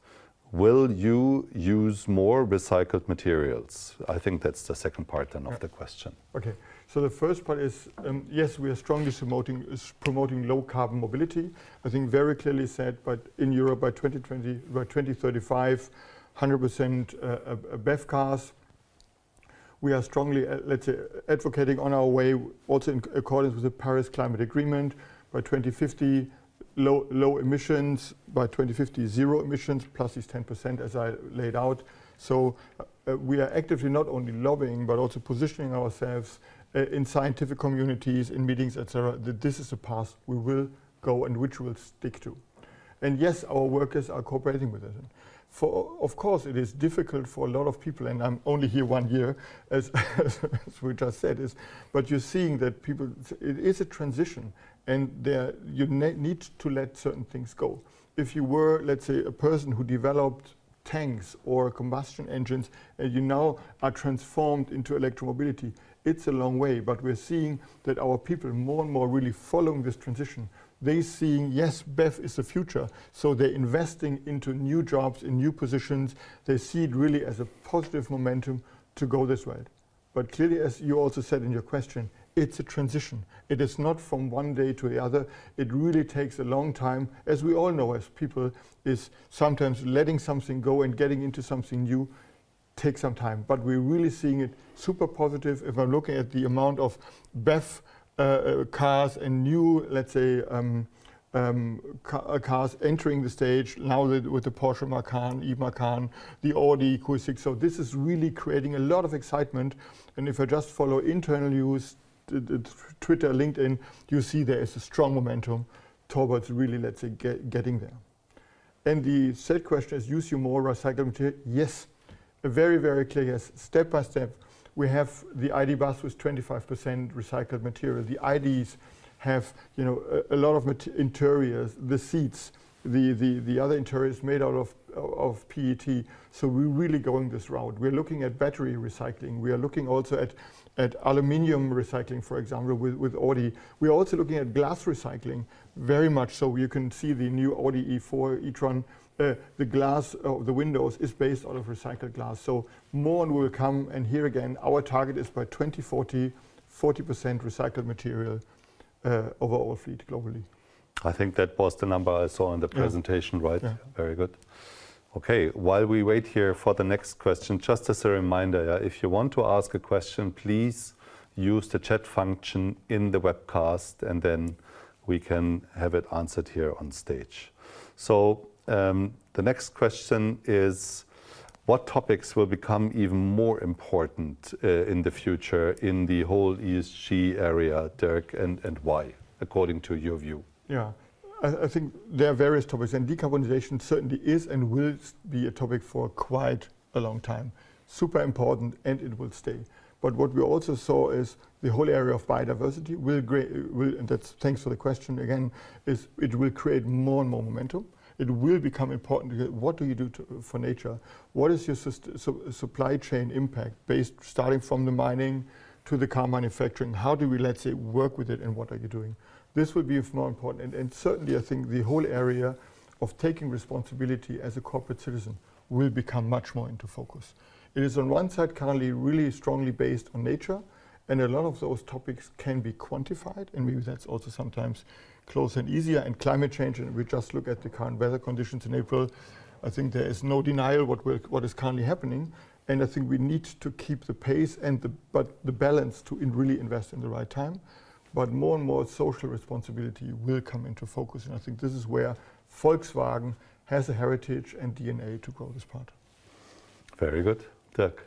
Will you use more recycled materials? I think that's the second part then of the question. Okay, so the first part is, yes, we are strongly promoting low carbon mobility. I think very clearly said, but in Europe by 2035, 100% BEV cars. We are strongly, let's say, advocating on our way, also in accordance with the Paris Climate Agreement. By 2050, low emissions, by 2050 zero emissions, plus these 10% as I laid out. So we are actively not only lobbying, but also positioning ourselves in scientific communities, in meetings, etc. This is the path we will go and which we will stick to. And yes, our workers are cooperating with it. For, of course, it is difficult for a lot of people, and I'm only here one year, as we just said, but you're seeing that people, it is a transition. And there you need to let certain things go. If you were, let's say, a person who developed tanks or combustion engines, and you now are transformed into electromobility, it's a long way. But we're seeing that our people more and more really following this transition. They're seeing, yes, BEV is the future. So they're investing into new jobs, in new positions. They see it really as a positive momentum to go this way. But clearly, as you also said in your question, it's a transition. It is not from one day to the other. It really takes a long time, as we all know, as people, is sometimes letting something go and getting into something new takes some time. But we're really seeing it super positive. If I'm looking at the amount of BEV cars and new, let's say, cars entering the stage, now with the Porsche Macan, e-Macan, the Audi Q6, so this is really creating a lot of excitement. And if I just follow internal news, the Twitter, LinkedIn, you see there is a strong momentum towards really, let's say, getting there. And the third question is, do you use more recycled material? Yes. A very, very clear yes. Step by step. We have the ID. Buzz with 25% recycled material. The IDs have, you know, a lot of interiors, the seats, the other interior is made out of PET. So we're really going this route. We're looking at battery recycling. We are looking also at aluminum recycling, for example, with Audi. We are also looking at glass recycling, very much, so you can see the new Audi Q4 e-tron, the glass of the windows is based out of recycled glass. So more and more will come. And here again, our target is by 2040, 40% recycled material over our fleet globally. I think that was the number I saw in the presentation, right? Very good. Okay, while we wait here for the next question, just as a reminder, if you want to ask a question, please use the chat function in the webcast and then we can have it answered here on stage. So, the next question is, what topics will become even more important in the future in the whole ESG area, Dirk, and why? According to your view. Yeah, I think there are various topics. And decarbonization certainly is and will be a topic for quite a long time. Super important and it will stay. But what we also saw is, the whole area of biodiversity will, and that's thanks for the question again, is it will create more and more momentum. It will become important, what do you do for nature? What is your supply chain impact, based starting from the mining to the car manufacturing? How do we, let's say, work with it and what are you doing? This will be more important. And certainly I think the whole area of taking responsibility as a corporate citizen will become much more into focus. It is on one side currently really strongly based on nature. And a lot of those topics can be quantified and maybe that's also sometimes closer and easier. And climate change, and we just look at the current weather conditions in April. I think there is no denial what is currently happening. I think we need to keep the pace and the balance to really invest in the right time. But more and more social responsibility will come into focus. And I think this is where Volkswagen has a heritage and DNA to grow this part. Very good. Dirk,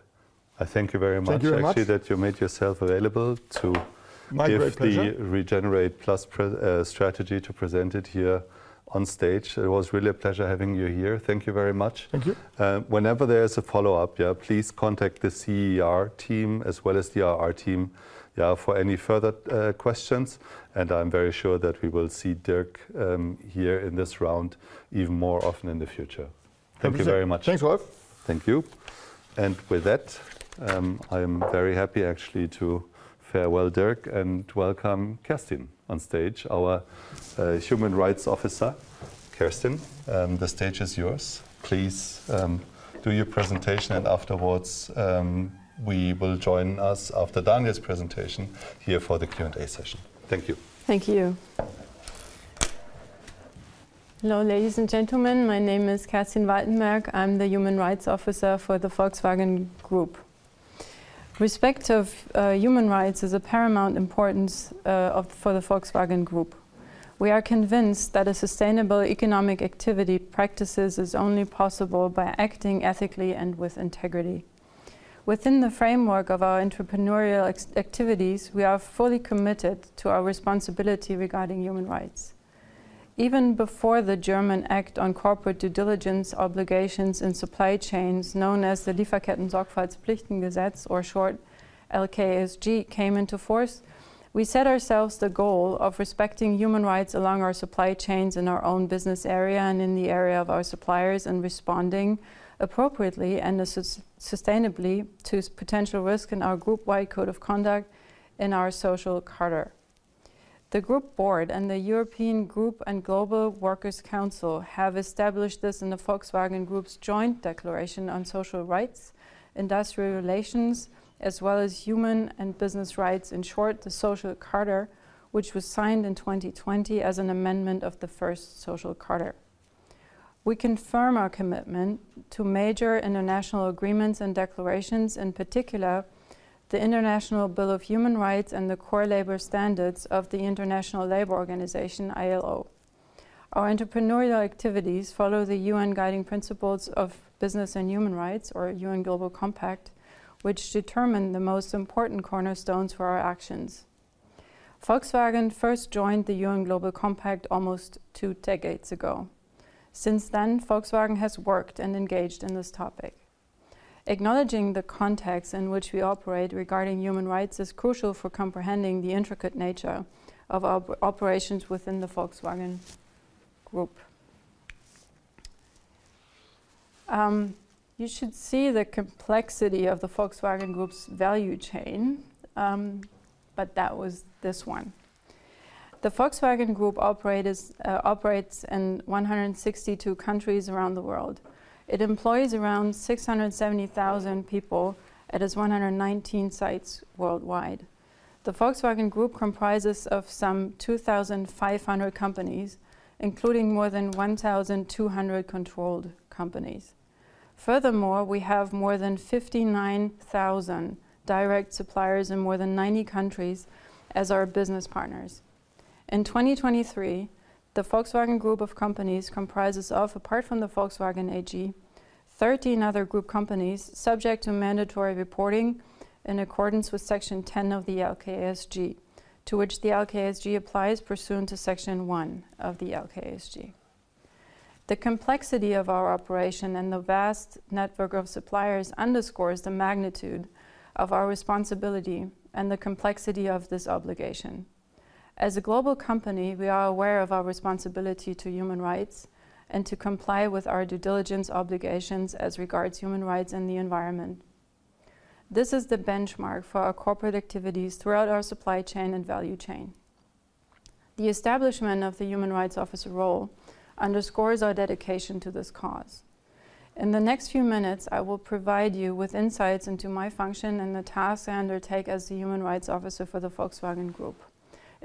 I thank you very much. Thank you very much. I see that you made yourself available to briefly regenerate+ Strategy to present it here on stage. It was really a pleasure having you here. Thank you very much. Thank you. Whenever there is a follow-up, yeah, please contact the CSR team as well as the RR team for any further questions. And I'm very sure that we will see Dirk here in this round even more often in the future. Thank you very much. Thanks, Ralf. Thank you. With that, I am very happy actually to farewell, Dirk, and welcome Kerstin on stage. Our human rights officer, Kerstin. The stage is yours. Please do your presentation and afterwards we will join us after Daniel's presentation here for the Q&A session. Thank you. Thank you. Hello, ladies and gentlemen. My name is Kerstin Waltenberg. I'm the human rights officer for the Volkswagen Group. Respect of human rights is of paramount importance for the Volkswagen Group. We are convinced that a sustainable economic activity practices is only possible by acting ethically and with integrity. Within the framework of our entrepreneurial activities, we are fully committed to our responsibility regarding human rights. Even before the German Act on Corporate Due Diligence Obligations in Supply Chains, known as the Lieferkettensorgfaltspflichtengesetz, or short, LKSG, came into force, we set ourselves the goal of respecting human rights along our supply chains in our own business area and in the area of our suppliers and responding appropriately and sustainably to potential risk in our group-wide code of conduct in our social charter. The group board and the European Group and Global Workers Council have established this in the Volkswagen Group's joint declaration on social rights, industrial relations, as well as human and business rights, in short, the social charter, which was signed in 2020 as an amendment of the first social charter. We confirm our commitment to major international agreements and declarations, in particular, the International Bill of Human Rights and the Core Labor Standards of the International Labour Organization, ILO. Our entrepreneurial activities follow the UN Guiding Principles on Business and Human Rights, or UN Global Compact, which determine the most important cornerstones for our actions. Volkswagen first joined the UN Global Compact almost 2 decades ago. Since then, Volkswagen has worked and engaged in this topic. Acknowledging the context in which we operate regarding human rights is crucial for comprehending the intricate nature of our operations within the Volkswagen Group. You should see the complexity of the Volkswagen Group's value chain. But that was this one. The Volkswagen Group operates in 162 countries around the world. It employs around 670,000 people at its 119 sites worldwide. The Volkswagen Group comprises of some 2,500 companies, including more than 1,200 controlled companies. Furthermore, we have more than 59,000 direct suppliers in more than 90 countries as our business partners. In 2023, the Volkswagen Group of Companies comprises of, apart from the Volkswagen AG, 13 other group companies subject to mandatory reporting in accordance with Section 10 of the LKSG, to which the LKSG applies pursuant to Section 1 of the LKSG. The complexity of our operation and the vast network of suppliers underscores the magnitude of our responsibility and the complexity of this obligation. As a global company, we are aware of our responsibility to human rights and to comply with our due diligence obligations as regards human rights and the environment. This is the benchmark for our corporate activities throughout our supply chain and value chain. The establishment of the human rights officer role underscores our dedication to this cause. In the next few minutes, I will provide you with insights into my function and the tasks I undertake as the human rights officer for the Volkswagen Group.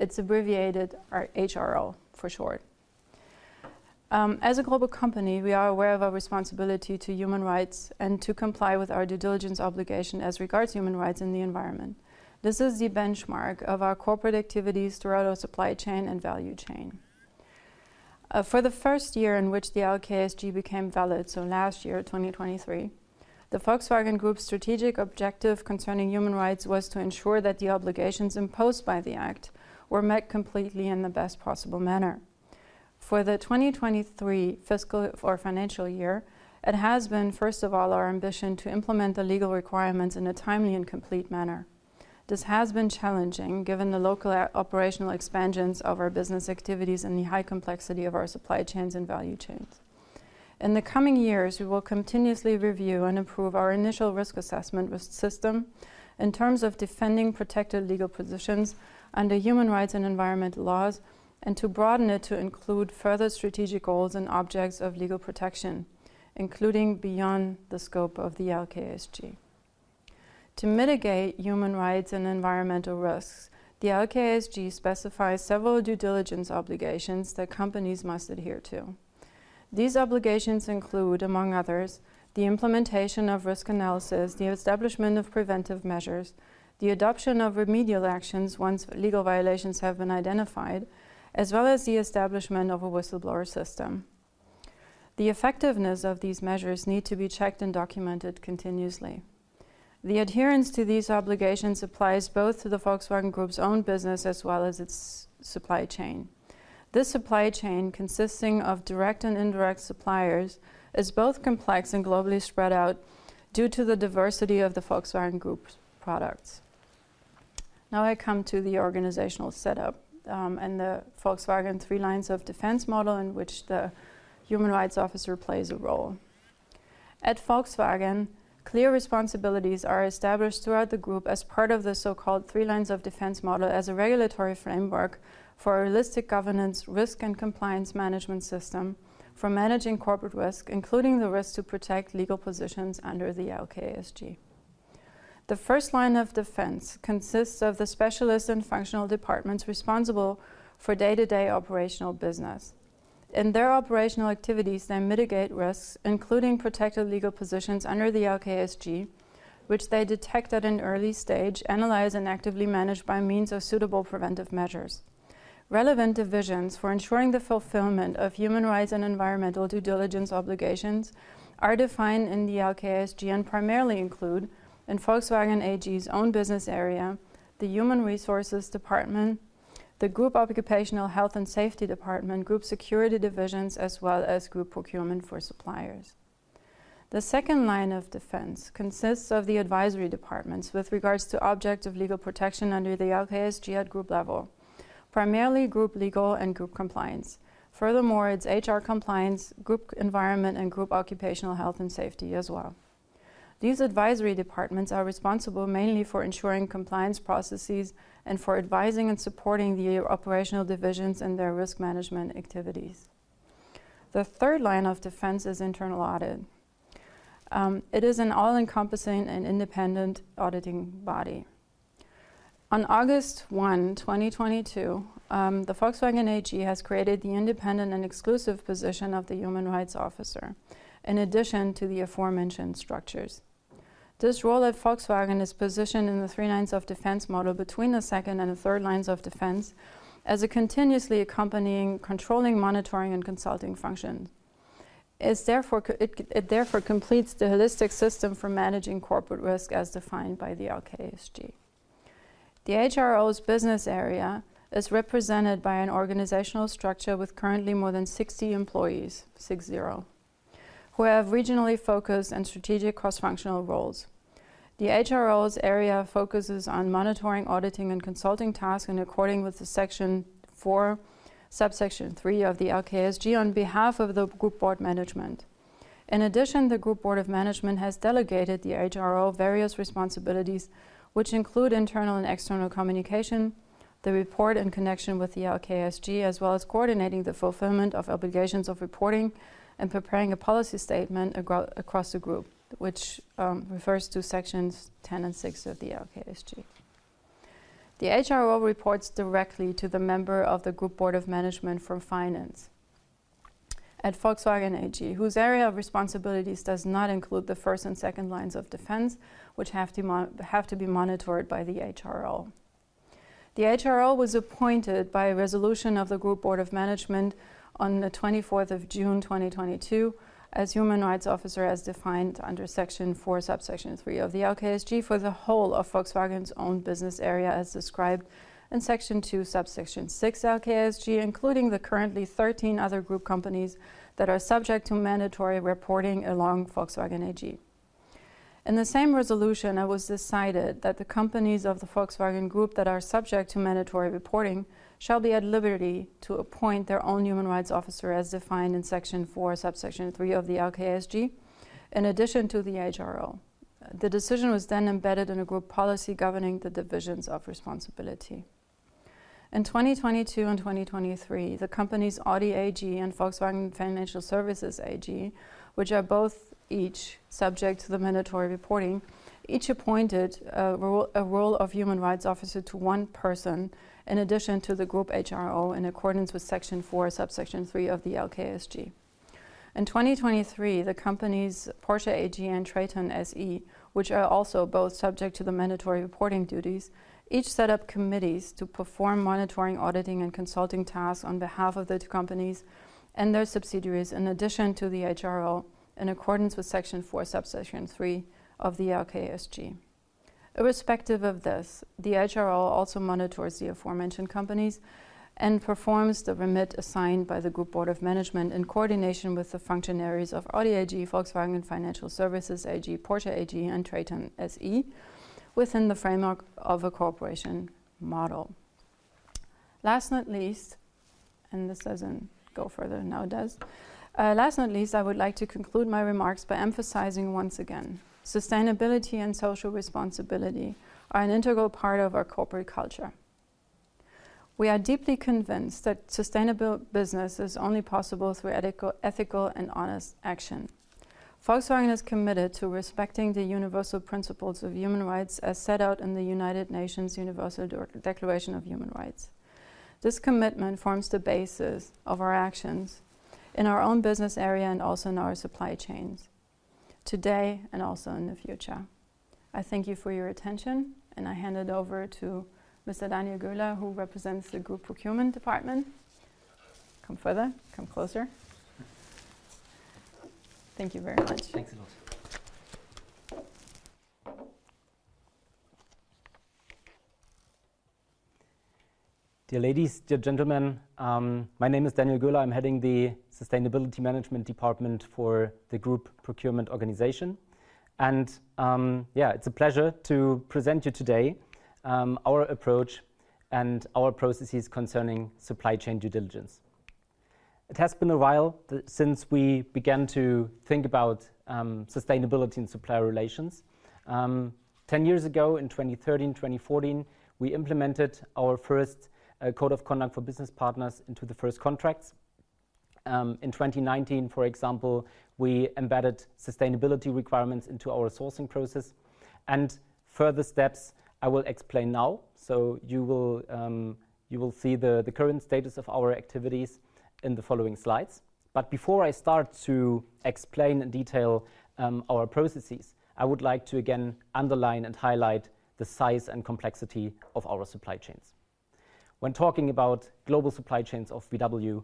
It's abbreviated HRO, for short. As a global company, we are aware of our responsibility to human rights and to comply with our due diligence obligation as regards human rights and the environment. This is the benchmark of our corporate activities throughout our supply chain and value chain. For the first year in which the LKSG became valid, so last year, 2023, the Volkswagen Group's strategic objective concerning human rights was to ensure that the obligations imposed by the act were met completely in the best possible manner. For the 2023 fiscal or financial year, it has been, first of all, our ambition to implement the legal requirements in a timely and complete manner. This has been challenging given the local operational expansions of our business activities and the high complexity of our supply chains and value chains. In the coming years, we will continuously review and improve our initial risk assessment system in terms of defending protected legal positions under human rights and environment laws, and to broaden it to include further strategic goals and objects of legal protection, including beyond the scope of the LKSG. To mitigate human rights and environmental risks, the LKSG specifies several due diligence obligations that companies must adhere to. These obligations include, among others, the implementation of risk analysis, the establishment of preventive measures, the adoption of remedial actions once legal violations have been identified, as well as the establishment of a whistleblower system. The effectiveness of these measures needs to be checked and documented continuously. The adherence to these obligations applies both to the Volkswagen Group's own business as well as its supply chain. This supply chain, consisting of direct and indirect suppliers, is both complex and globally spread out due to the diversity of the Volkswagen Group's products. Now I come to the organizational setup and the Volkswagen Three Lines of Defense model in which the human rights officer plays a role. At Volkswagen, clear responsibilities are established throughout the group as part of the so-called Three Lines of Defense model as a regulatory framework for a realistic governance, risk, and compliance management system for managing corporate risk, including the risk to protect legal positions under the LKSG. The first line of defense consists of the specialist and functional departments responsible for day-to-day operational business. In their operational activities, they mitigate risks, including protected legal positions under the LKSG, which they detect at an early stage, analyze, and actively manage by means of suitable preventive measures. Relevant divisions for ensuring the fulfillment of human rights and environmental due diligence obligations are defined in the LKSG and primarily include, in Volkswagen AG's own business area, the Human Resources Department, the Group Occupational Health and Safety Department, Group Security Divisions, as well as Group Procurement for Suppliers. The second line of defense consists of the advisory departments with regards to objective legal protection under the LKSG at group level, primarily Group Legal and Group Compliance. Furthermore, it's HR Compliance, Group Environment, and Group Occupational Health and Safety as well. These advisory departments are responsible mainly for ensuring compliance processes and for advising and supporting the operational divisions in their risk management activities. The third line of defense is internal audit. It is an all-encompassing and independent auditing body. On August 1, 2022, the Volkswagen AG has created the independent and exclusive position of the human rights officer, in addition to the aforementioned structures. This role at Volkswagen is positioned in the three lines of defense model between the second and the third lines of defense as a continuously accompanying, controlling, monitoring, and consulting function. It therefore completes the holistic system for managing corporate risk as defined by the LKSG. The HRO's business area is represented by an organizational structure with currently more than 60 employees who have regionally focused and strategic cross-functional roles. The HRO's area focuses on monitoring, auditing, and consulting tasks in accordance with Section 4, Subsection 3 of the LKSG on behalf of the group board management. In addition, the group board of management has delegated the HRO various responsibilities, which include internal and external communication, the report in connection with the LKSG, as well as coordinating the fulfillment of obligations of reporting and preparing a policy statement across the group, which refers to Sections 10 and 6 of the LKSG. The HRO reports directly to the member of the group board of management from finance at Volkswagen AG, whose area of responsibilities does not include the first and second lines of defense, which have to be monitored by the HRO. The HRO was appointed by a resolution of the Group Board of Management on the 24th of June, 2022, as human rights officer as defined under Section 4, Subsection 3 of the LKSG for the whole of Volkswagen's own business area as described in Section 2, Subsection 6 LKSG, including the currently 13 other group companies that are subject to mandatory reporting along Volkswagen AG. In the same resolution, it was decided that the companies of the Volkswagen Group that are subject to mandatory reporting shall be at liberty to appoint their own human rights officer as defined in Section 4, Subsection 3 of the LKSG, in addition to the HRO. The decision was then embedded in a group policy governing the divisions of responsibility. In 2022 and 2023, the companies Audi AG and Volkswagen Financial Services AG, which are both each subject to the mandatory reporting, each appointed a role of human rights officer to one person in addition to the group HRO in accordance with Section 4, Subsection 3 of the LKSG. In 2023, the companies Porsche AG and TRATON SE, which are also both subject to the mandatory reporting duties, each set up committees to perform monitoring, auditing, and consulting tasks on behalf of the two companies and their subsidiaries in addition to the HRO in accordance with Section 4, Subsection 3 of the LKSG. Irrespective of this, the HRO also monitors the aforementioned companies and performs the remit assigned by the group board of management in coordination with the functionaries of Audi AG, Volkswagen Financial Services AG, Porsche AG, and TRATON SE within the framework of a corporation model. Last but not least, I would like to conclude my remarks by emphasizing once again, sustainability and social responsibility are an integral part of our corporate culture. We are deeply convinced that sustainable business is only possible through ethical and honest action. Volkswagen is committed to respecting the universal principles of human rights as set out in the United Nations Universal Declaration of Human Rights. This commitment forms the basis of our actions in our own business area and also in our supply chains, today and also in the future. I thank you for your attention, and I hand it over to Mr. Daniel Göhler, who represents the Group Procurement Department. Come further. Come closer. Thank you very much. Thanks a lot. Dear ladies, dear gentlemen, my name is Daniel Göhler. I'm heading the Sustainability Management Department for the Group Procurement Organization. Yeah, it's a pleasure to present you today our approach and our processes concerning supply chain due diligence. It has been a while since we began to think about sustainability and supplier relations. Ten years ago, in 2013, 2014, we implemented our first code of conduct for business partners into the first contracts. In 2019, for example, we embedded sustainability requirements into our sourcing process. Further steps, I will explain now. You will see the current status of our activities in the following slides. Before I start to explain in detail our processes, I would like to again underline and highlight the size and complexity of our supply chains. When talking about global supply chains of VW,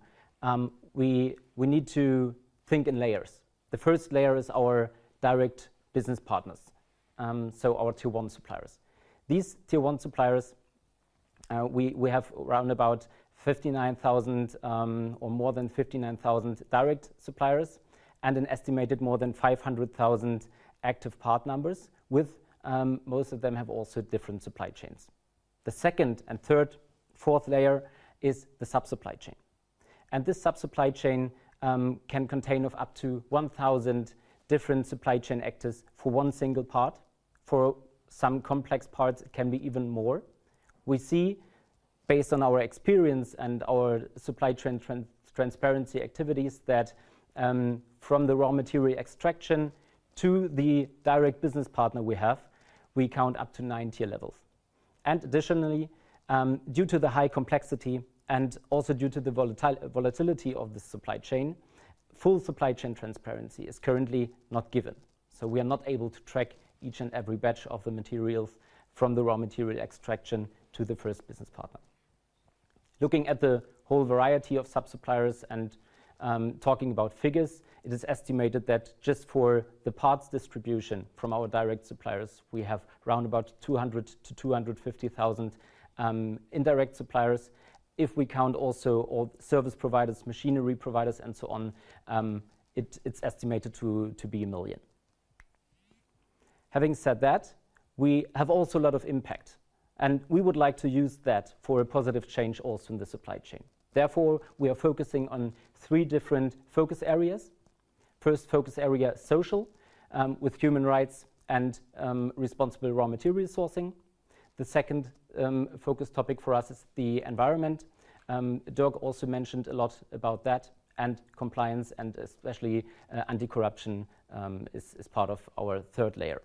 we need to think in layers. The first layer is our direct business partners, so our tier one suppliers. These tier one suppliers, we have around about 59,000 or more than 59,000 direct suppliers and an estimated more than 500,000 active part numbers, with most of them having also different supply chains. The second and third, fourth layer is the subsupply chain. This subsupply chain can contain up to 1,000 different supply chain actors for one single part. For some complex parts, it can be even more. We see, based on our experience and our supply chain transparency activities, that from the raw material extraction to the direct business partner we have, we count up to nine tier levels. Additionally, due to the high complexity and also due to the volatility of the supply chain, full supply chain transparency is currently not given. We are not able to track each and every batch of the materials from the raw material extraction to the first business partner. Looking at the whole variety of subsuppliers and talking about figures, it is estimated that just for the parts distribution from our direct suppliers, we have around about 200,000-250,000 indirect suppliers. If we count also all service providers, machinery providers, and so on, it's estimated to be 1 million. Having said that, we have also a lot of impact. We would like to use that for a positive change also in the supply chain. Therefore, we are focusing on three different focus areas. First focus area, social, with human rights and responsible raw material sourcing. The second focus topic for us is the environment. Dirk also mentioned a lot about that. Compliance, and especially anti-corruption, is part of our third layer.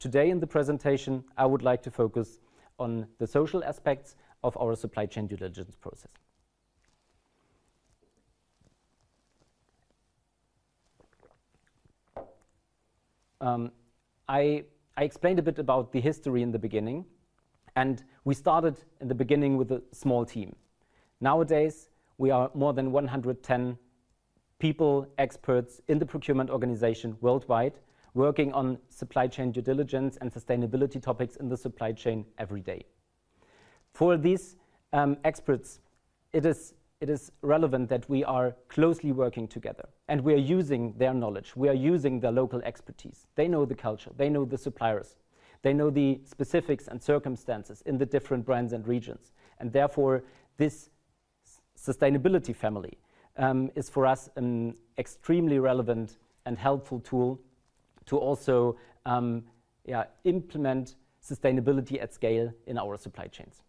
Today in the presentation, I would like to focus on the social aspects of our supply chain due diligence process. I explained a bit about the history in the beginning. We started in the beginning with a small team. Nowadays, we are more than 110 people, experts in the procurement organization worldwide working on supply chain due diligence and sustainability topics in the supply chain every day. For these experts, it is relevant that we are closely working together. We are using their knowledge. We are using their local expertise. They know the culture. They know the suppliers. They know the specifics and circumstances in the different brands and regions. Therefore, this sustainability family is for us an extremely relevant and helpful tool to also implement sustainability at scale in our supply chains.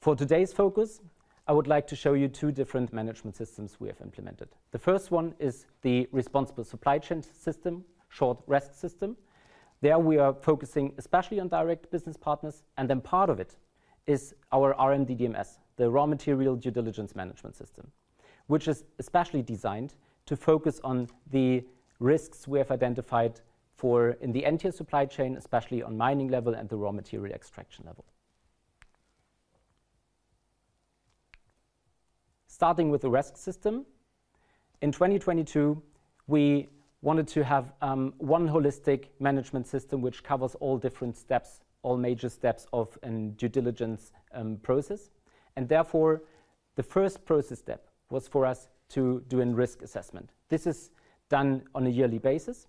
For today's focus, I would like to show you two different management systems we have implemented. The first one is the Responsible Supply Chain System, short ReSC system. There we are focusing especially on direct business partners. And then part of it is our RMDDMS, the Raw Material Due Diligence Management System, which is especially designed to focus on the risks we have identified in the entire supply chain, especially on mining level and the raw material extraction level. Starting with the ReSC system, in 2022, we wanted to have one holistic management system which covers all different steps, all major steps of a due diligence process. And therefore, the first process step was for us to do a risk assessment. This is done on a yearly basis.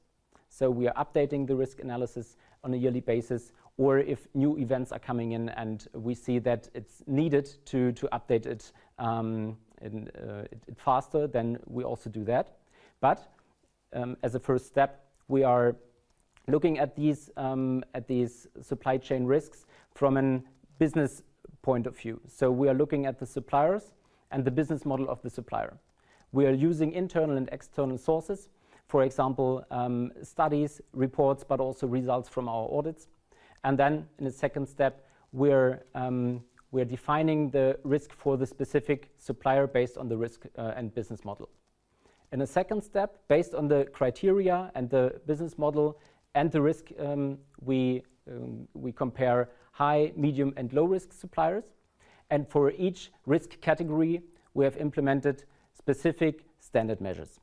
So we are updating the risk analysis on a yearly basis. Or if new events are coming in and we see that it's needed to update it faster, then we also do that. But as a first step, we are looking at these supply chain risks from a business point of view. So we are looking at the suppliers and the business model of the supplier. We are using internal and external sources, for example, studies, reports, but also results from our audits. And then in a second step, we are defining the risk for the specific supplier based on the risk and business model. In a second step, based on the criteria and the business model and the risk, we compare high, medium, and low-risk suppliers. And for each risk category, we have implemented specific standard measures.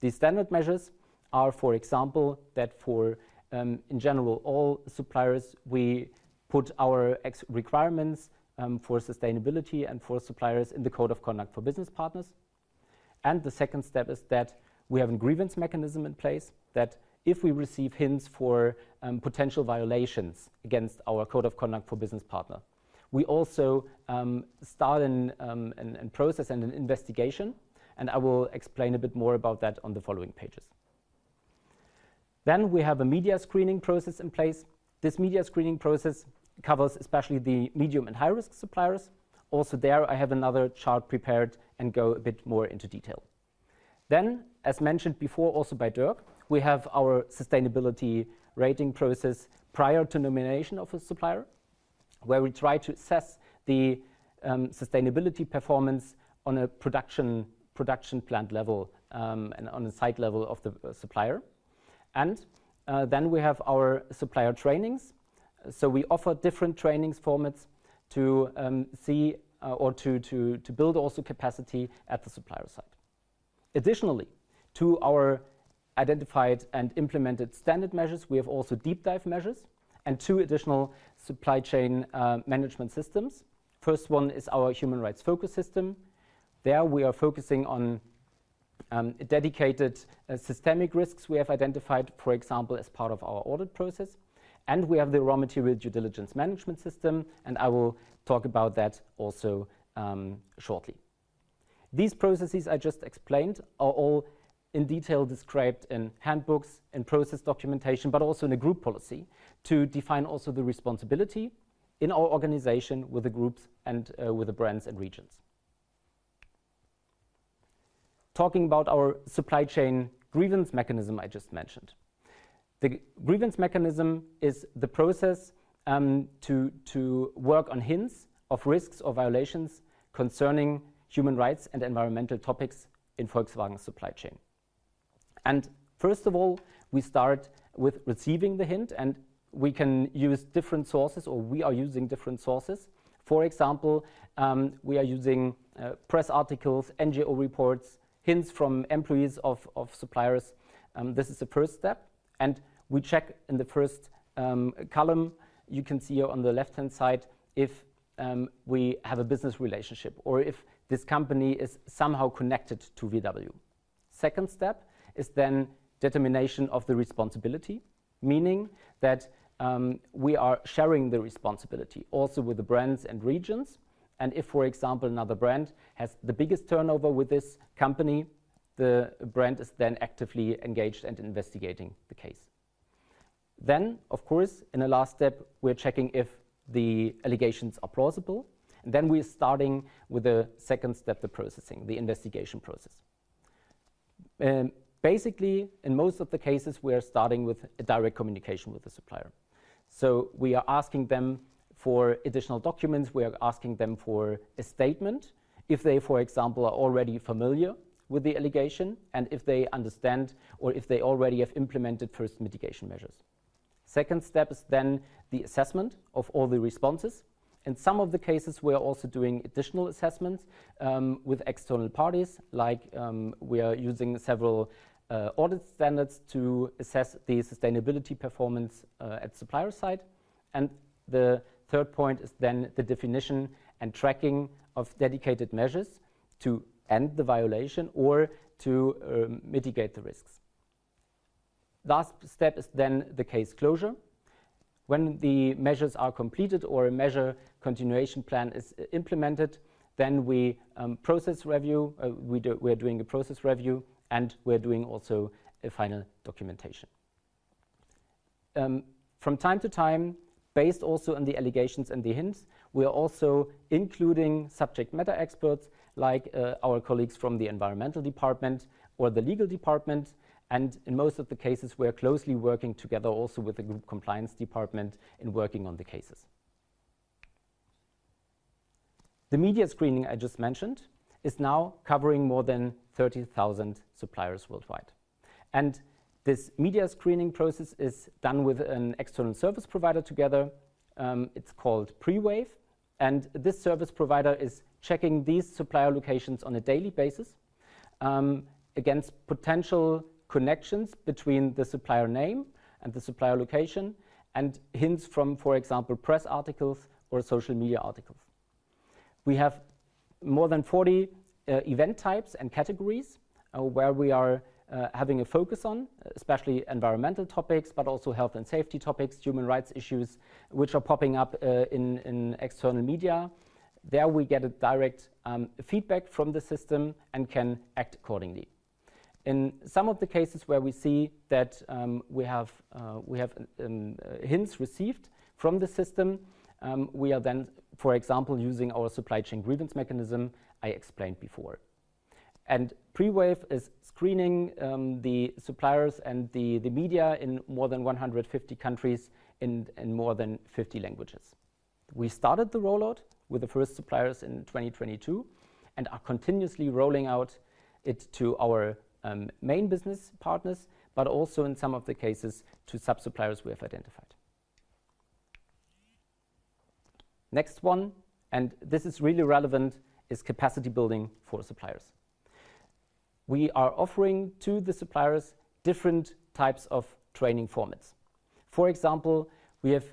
These standard measures are, for example, that for in general, all suppliers, we put our requirements for sustainability and for suppliers in the code of conduct for business partners. The second step is that we have a grievance mechanism in place that if we receive hints for potential violations against our code of conduct for business partner, we also start a process and an investigation. And I will explain a bit more about that on the following pages. We have a media screening process in place. This media screening process covers especially the medium and high-risk suppliers. Also there, I have another chart prepared and go a bit more into detail. Then, as mentioned before also by Dirk, we have our sustainability rating process prior to nomination of a supplier, where we try to assess the sustainability performance on a production plant level and on a site level of the supplier. Then we have our supplier trainings. So we offer different trainings formats to see or to build also capacity at the supplier site. Additionally to our identified and implemented standard measures, we have also deep dive measures and two additional supply chain management systems. First one is our human rights focus system. There we are focusing on dedicated systemic risks we have identified, for example, as part of our audit process. And we have the raw material due diligence management system. And I will talk about that also shortly. These processes I just explained are all in detail described in handbooks, in process documentation, but also in a group policy to define also the responsibility in our organization with the groups and with the brands and regions. Talking about our supply chain grievance mechanism I just mentioned, the grievance mechanism is the process to work on hints of risks or violations concerning human rights and environmental topics in Volkswagen's supply chain. First of all, we start with receiving the hint. We can use different sources or we are using different sources. For example, we are using press articles, NGO reports, hints from employees of suppliers. This is the first step. We check in the first column, you can see here on the left-hand side if we have a business relationship or if this company is somehow connected to VW. Second step is then determination of the responsibility, meaning that we are sharing the responsibility also with the brands and regions. If, for example, another brand has the biggest turnover with this company, the brand is then actively engaged and investigating the case. Of course, in a last step, we are checking if the allegations are plausible. Then we are starting with the second step, the processing, the investigation process. Basically, in most of the cases, we are starting with a direct communication with the supplier. We are asking them for additional documents. We are asking them for a statement if they, for example, are already familiar with the allegation and if they understand or if they already have implemented first mitigation measures. Second step is then the assessment of all the responses. In some of the cases, we are also doing additional assessments with external parties. Like we are using several audit standards to assess the sustainability performance at the supplier site. The third point is then the definition and tracking of dedicated measures to end the violation or to mitigate the risks. Last step is then the case closure. When the measures are completed or a measure continuation plan is implemented, then we process review. We are doing a process review, and we are doing also a final documentation. From time to time, based also on the allegations and the hints, we are also including subject matter experts like our colleagues from the Environmental Department or the Legal Department. In most of the cases, we are closely working together also with the Group Compliance Department in working on the cases. The media screening I just mentioned is now covering more than 30,000 suppliers worldwide. This media screening process is done with an external service provider together. It's called Prewave. This service provider is checking these supplier locations on a daily basis against potential connections between the supplier name and the supplier location and hints from, for example, press articles or social media articles. We have more than 40 event types and categories where we are having a focus on, especially environmental topics, but also health and safety topics, human rights issues, which are popping up in external media. There we get a direct feedback from the system and can act accordingly. In some of the cases where we see that we have hints received from the system, we are then, for example, using our supply chain grievance mechanism I explained before. Prewave is screening the suppliers and the media in more than 150 countries in more than 50 languages. We started the rollout with the first suppliers in 2022 and are continuously rolling out it to our main business partners, but also in some of the cases to subsuppliers we have identified. Next one, and this is really relevant, is capacity building for suppliers. We are offering to the suppliers different types of training formats. For example, we have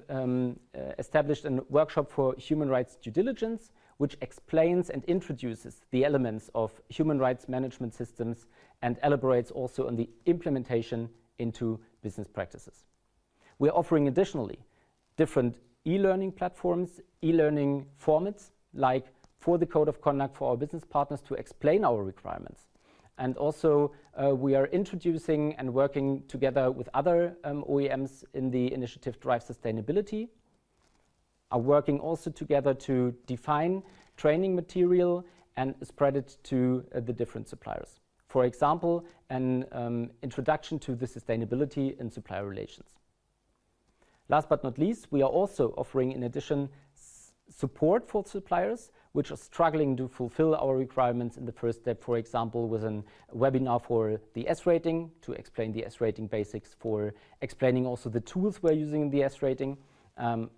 established a workshop for human rights due diligence, which explains and introduces the elements of human rights management systems and elaborates also on the implementation into business practices. We are offering additionally different e-learning platforms, e-learning formats like for the code of conduct for our business partners to explain our requirements. Also we are introducing and working together with other OEMs in the initiative Drive Sustainability. are working also together to define training material and spread it to the different suppliers. For example, an introduction to the sustainability and supplier relations. Last but not least, we are also offering in addition support for suppliers which are struggling to fulfill our requirements in the first step, for example, with a webinar for the S-Rating to explain the S-Rating basics for explaining also the tools we're using in the S-Rating,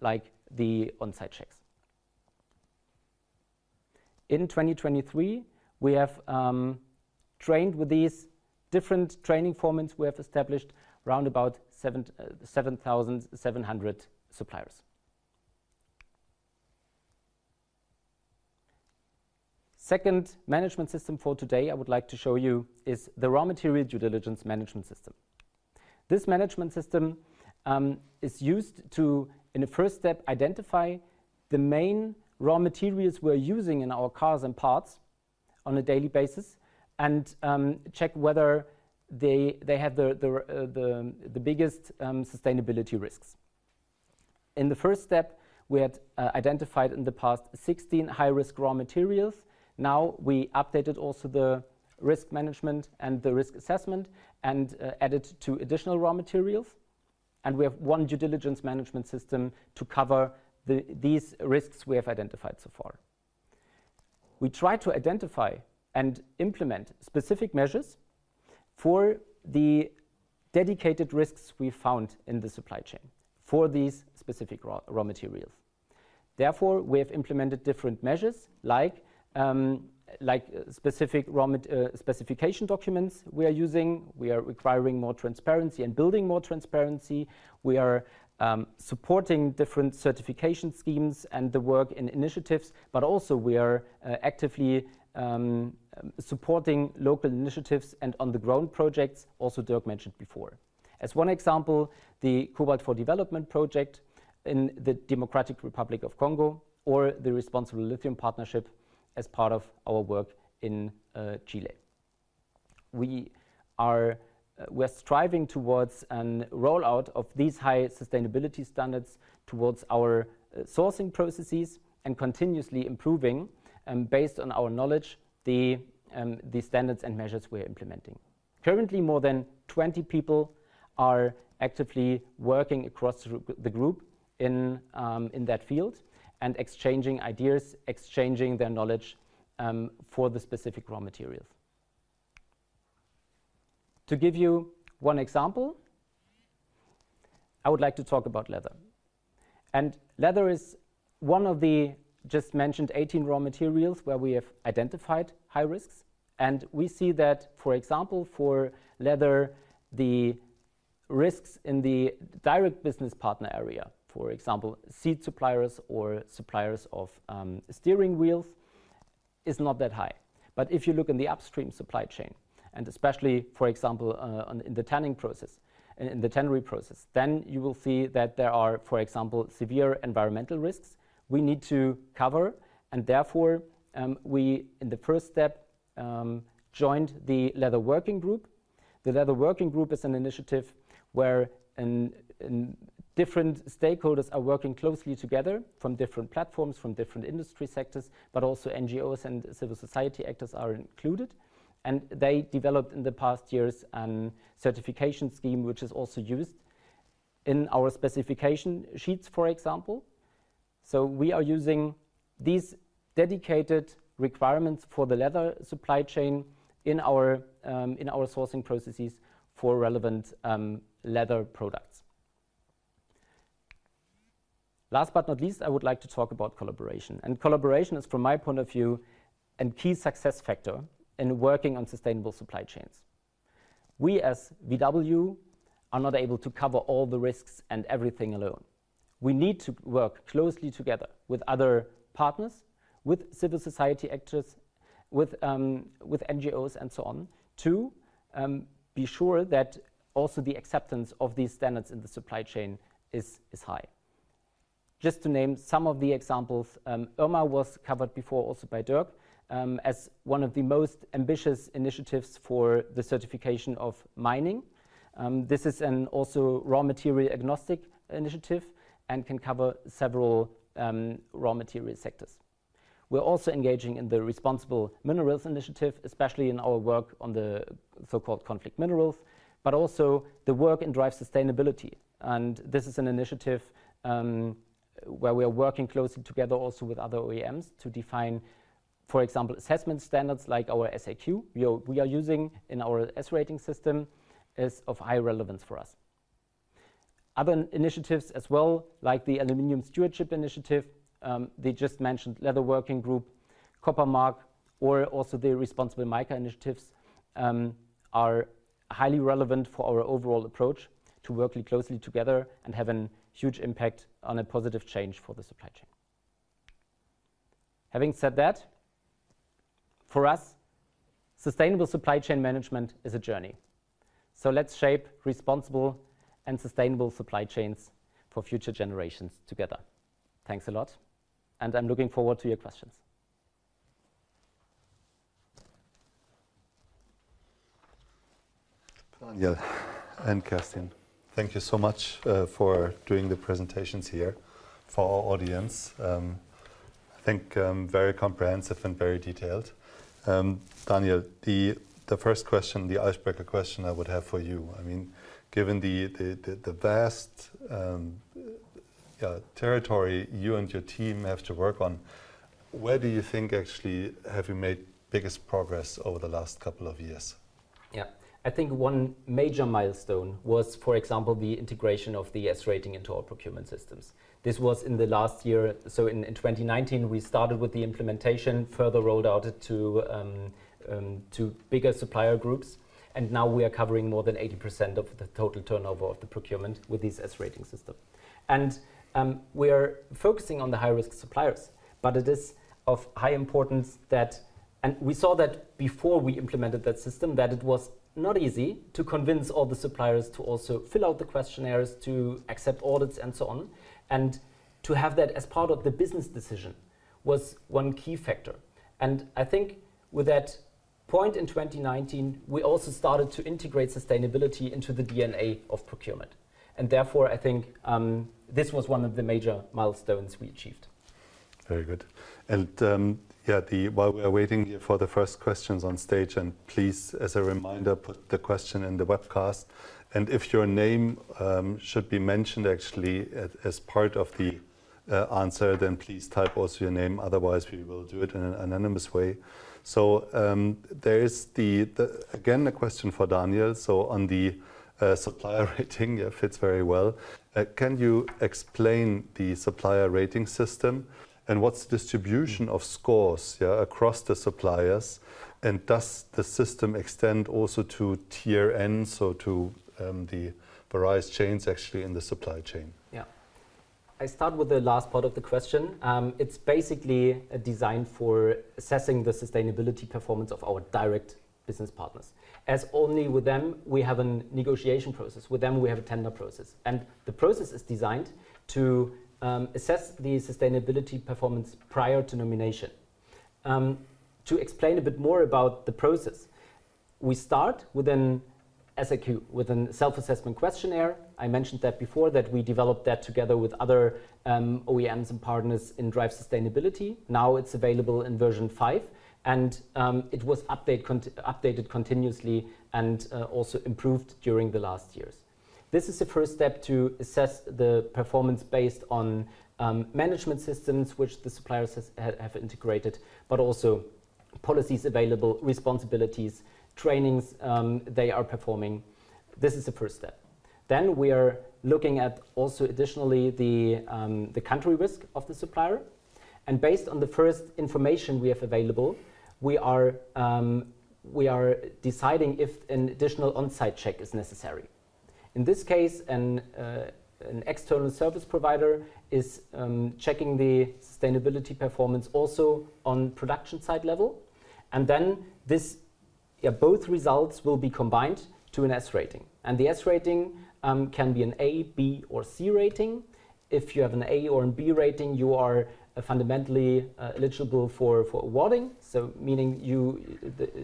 like the on-site checks. In 2023, we have trained with these different training formats we have established around about 7,700 suppliers. The second management system for today I would like to show you is the Raw Material Due Diligence Management System. This management system is used to, in a first step, identify the main raw materials we're using in our cars and parts on a daily basis and check whether they have the biggest sustainability risks. In the first step, we had identified in the past 16 high-risk raw materials. Now we updated also the risk management and the risk assessment and added two additional raw materials. We have one due diligence management system to cover these risks we have identified so far. We try to identify and implement specific measures for the dedicated risks we found in the supply chain for these specific raw materials. Therefore, we have implemented different measures like specific specification documents we are using. We are requiring more transparency and building more transparency. We are supporting different certification schemes and the work in initiatives. But also we are actively supporting local initiatives and on-the-ground projects, also Dirk mentioned before. As one example, the Cobalt for Development project in the Democratic Republic of Congo or the Responsible Lithium Partnership as part of our work in Chile. We are striving towards a rollout of these high sustainability standards towards our sourcing processes and continuously improving, based on our knowledge, the standards and measures we are implementing. Currently, more than 20 people are actively working across the group in that field and exchanging ideas, exchanging their knowledge for the specific raw materials. To give you one example, I would like to talk about leather. Leather is one of the just mentioned 18 raw materials where we have identified high risks. We see that, for example, for leather, the risks in the direct business partner area, for example, seed suppliers or suppliers of steering wheels is not that high. If you look in the upstream supply chain and especially, for example, in the tanning process, in the tannery process, then you will see that there are, for example, severe environmental risks we need to cover. Therefore, we, in the first step, joined the Leather Working Group. The Leather Working Group is an initiative where different stakeholders are working closely together from different platforms, from different industry sectors, but also NGOs and civil society actors are included. They developed in the past years a certification scheme which is also used in our specification sheets, for example. We are using these dedicated requirements for the leather supply chain in our sourcing processes for relevant leather products. Last but not least, I would like to talk about collaboration. Collaboration is, from my point of view, a key success factor in working on sustainable supply chains. We as VW are not able to cover all the risks and everything alone. We need to work closely together with other partners, with civil society actors, with NGOs, and so on to be sure that also the acceptance of these standards in the supply chain is high. Just to name some of the examples, IRMA was covered before also by Dirk as one of the most ambitious initiatives for the certification of mining. This is also a raw material agnostic initiative and can cover several raw material sectors. We're also engaging in the Responsible Minerals Initiative, especially in our work on the so-called conflict minerals, but also the work in Drive Sustainability. And this is an initiative where we are working closely together also with other OEMs to define, for example, assessment standards like our SAQ we are using in our S-Rating system is of high relevance for us. Other initiatives as well, like the Aluminium Stewardship Initiative, the just mentioned Leather Working Group, Copper Mark, or also the Responsible Mica Initiatives, are highly relevant for our overall approach to working closely together and have a huge impact on a positive change for the supply chain. Having said that, for us, sustainable supply chain management is a journey. So let's shape responsible and sustainable supply chains for future generations together. Thanks a lot. And I'm looking forward to your questions. Daniel and Kerstin, thank you so much for doing the presentations here for our audience. I think very comprehensive and very detailed. Daniel, the first question, the icebreaker question I would have for you. I mean, given the vast territory you and your team have to work on, where do you think actually have you made biggest progress over the last couple of years? Yeah. I think one major milestone was, for example, the integration of the S-Rating into our procurement systems. This was in the last year. In 2019, we started with the implementation, further rolled it out to bigger supplier groups. And now we are covering more than 80% of the total turnover of the procurement with these S-Rating systems. And we are focusing on the high-risk suppliers. But it is of high importance that we saw that before we implemented that system, that it was not easy to convince all the suppliers to also fill out the questionnaires, to accept audits, and so on. And to have that as part of the business decision was one key factor. And I think with that point in 2019, we also started to integrate sustainability into the DNA of procurement. Therefore, I think this was one of the major milestones we achieved. Very good. Yeah, while we are waiting here for the first questions on stage, please, as a reminder, put the question in the webcast. And if your name should be mentioned actually as part of the answer, then please type also your name. Otherwise, we will do it in an anonymous way. So there is, again, a question for Daniel. So on the supplier rating, it fits very well. Can you explain the supplier rating system and what's the distribution of scores across the suppliers? And does the system extend also to tier N, so to the various chains actually in the supply chain? Yeah. I start with the last part of the question. It's basically designed for assessing the sustainability performance of our direct business partners. As only with them, we have a negotiation process. With them, we have a tender process. The process is designed to assess the sustainability performance prior to nomination. To explain a bit more about the process, we start with an SAQ, with a self-assessment questionnaire. I mentioned that before, that we developed that together with other OEMs and partners in Drive Sustainability. Now it's available in version five. It was updated continuously and also improved during the last years. This is the first step to assess the performance based on management systems which the suppliers have integrated, but also policies available, responsibilities, trainings they are performing. This is the first step. Then we are looking at also additionally the country risk of the supplier. Based on the first information we have available, we are deciding if an additional on-site check is necessary. In this case, an external service provider is checking the sustainability performance also on production site level. Then both results will be combined to an S-rating. The S-rating can be an A, B, or C rating. If you have an A or a B rating, you are fundamentally eligible for awarding. So meaning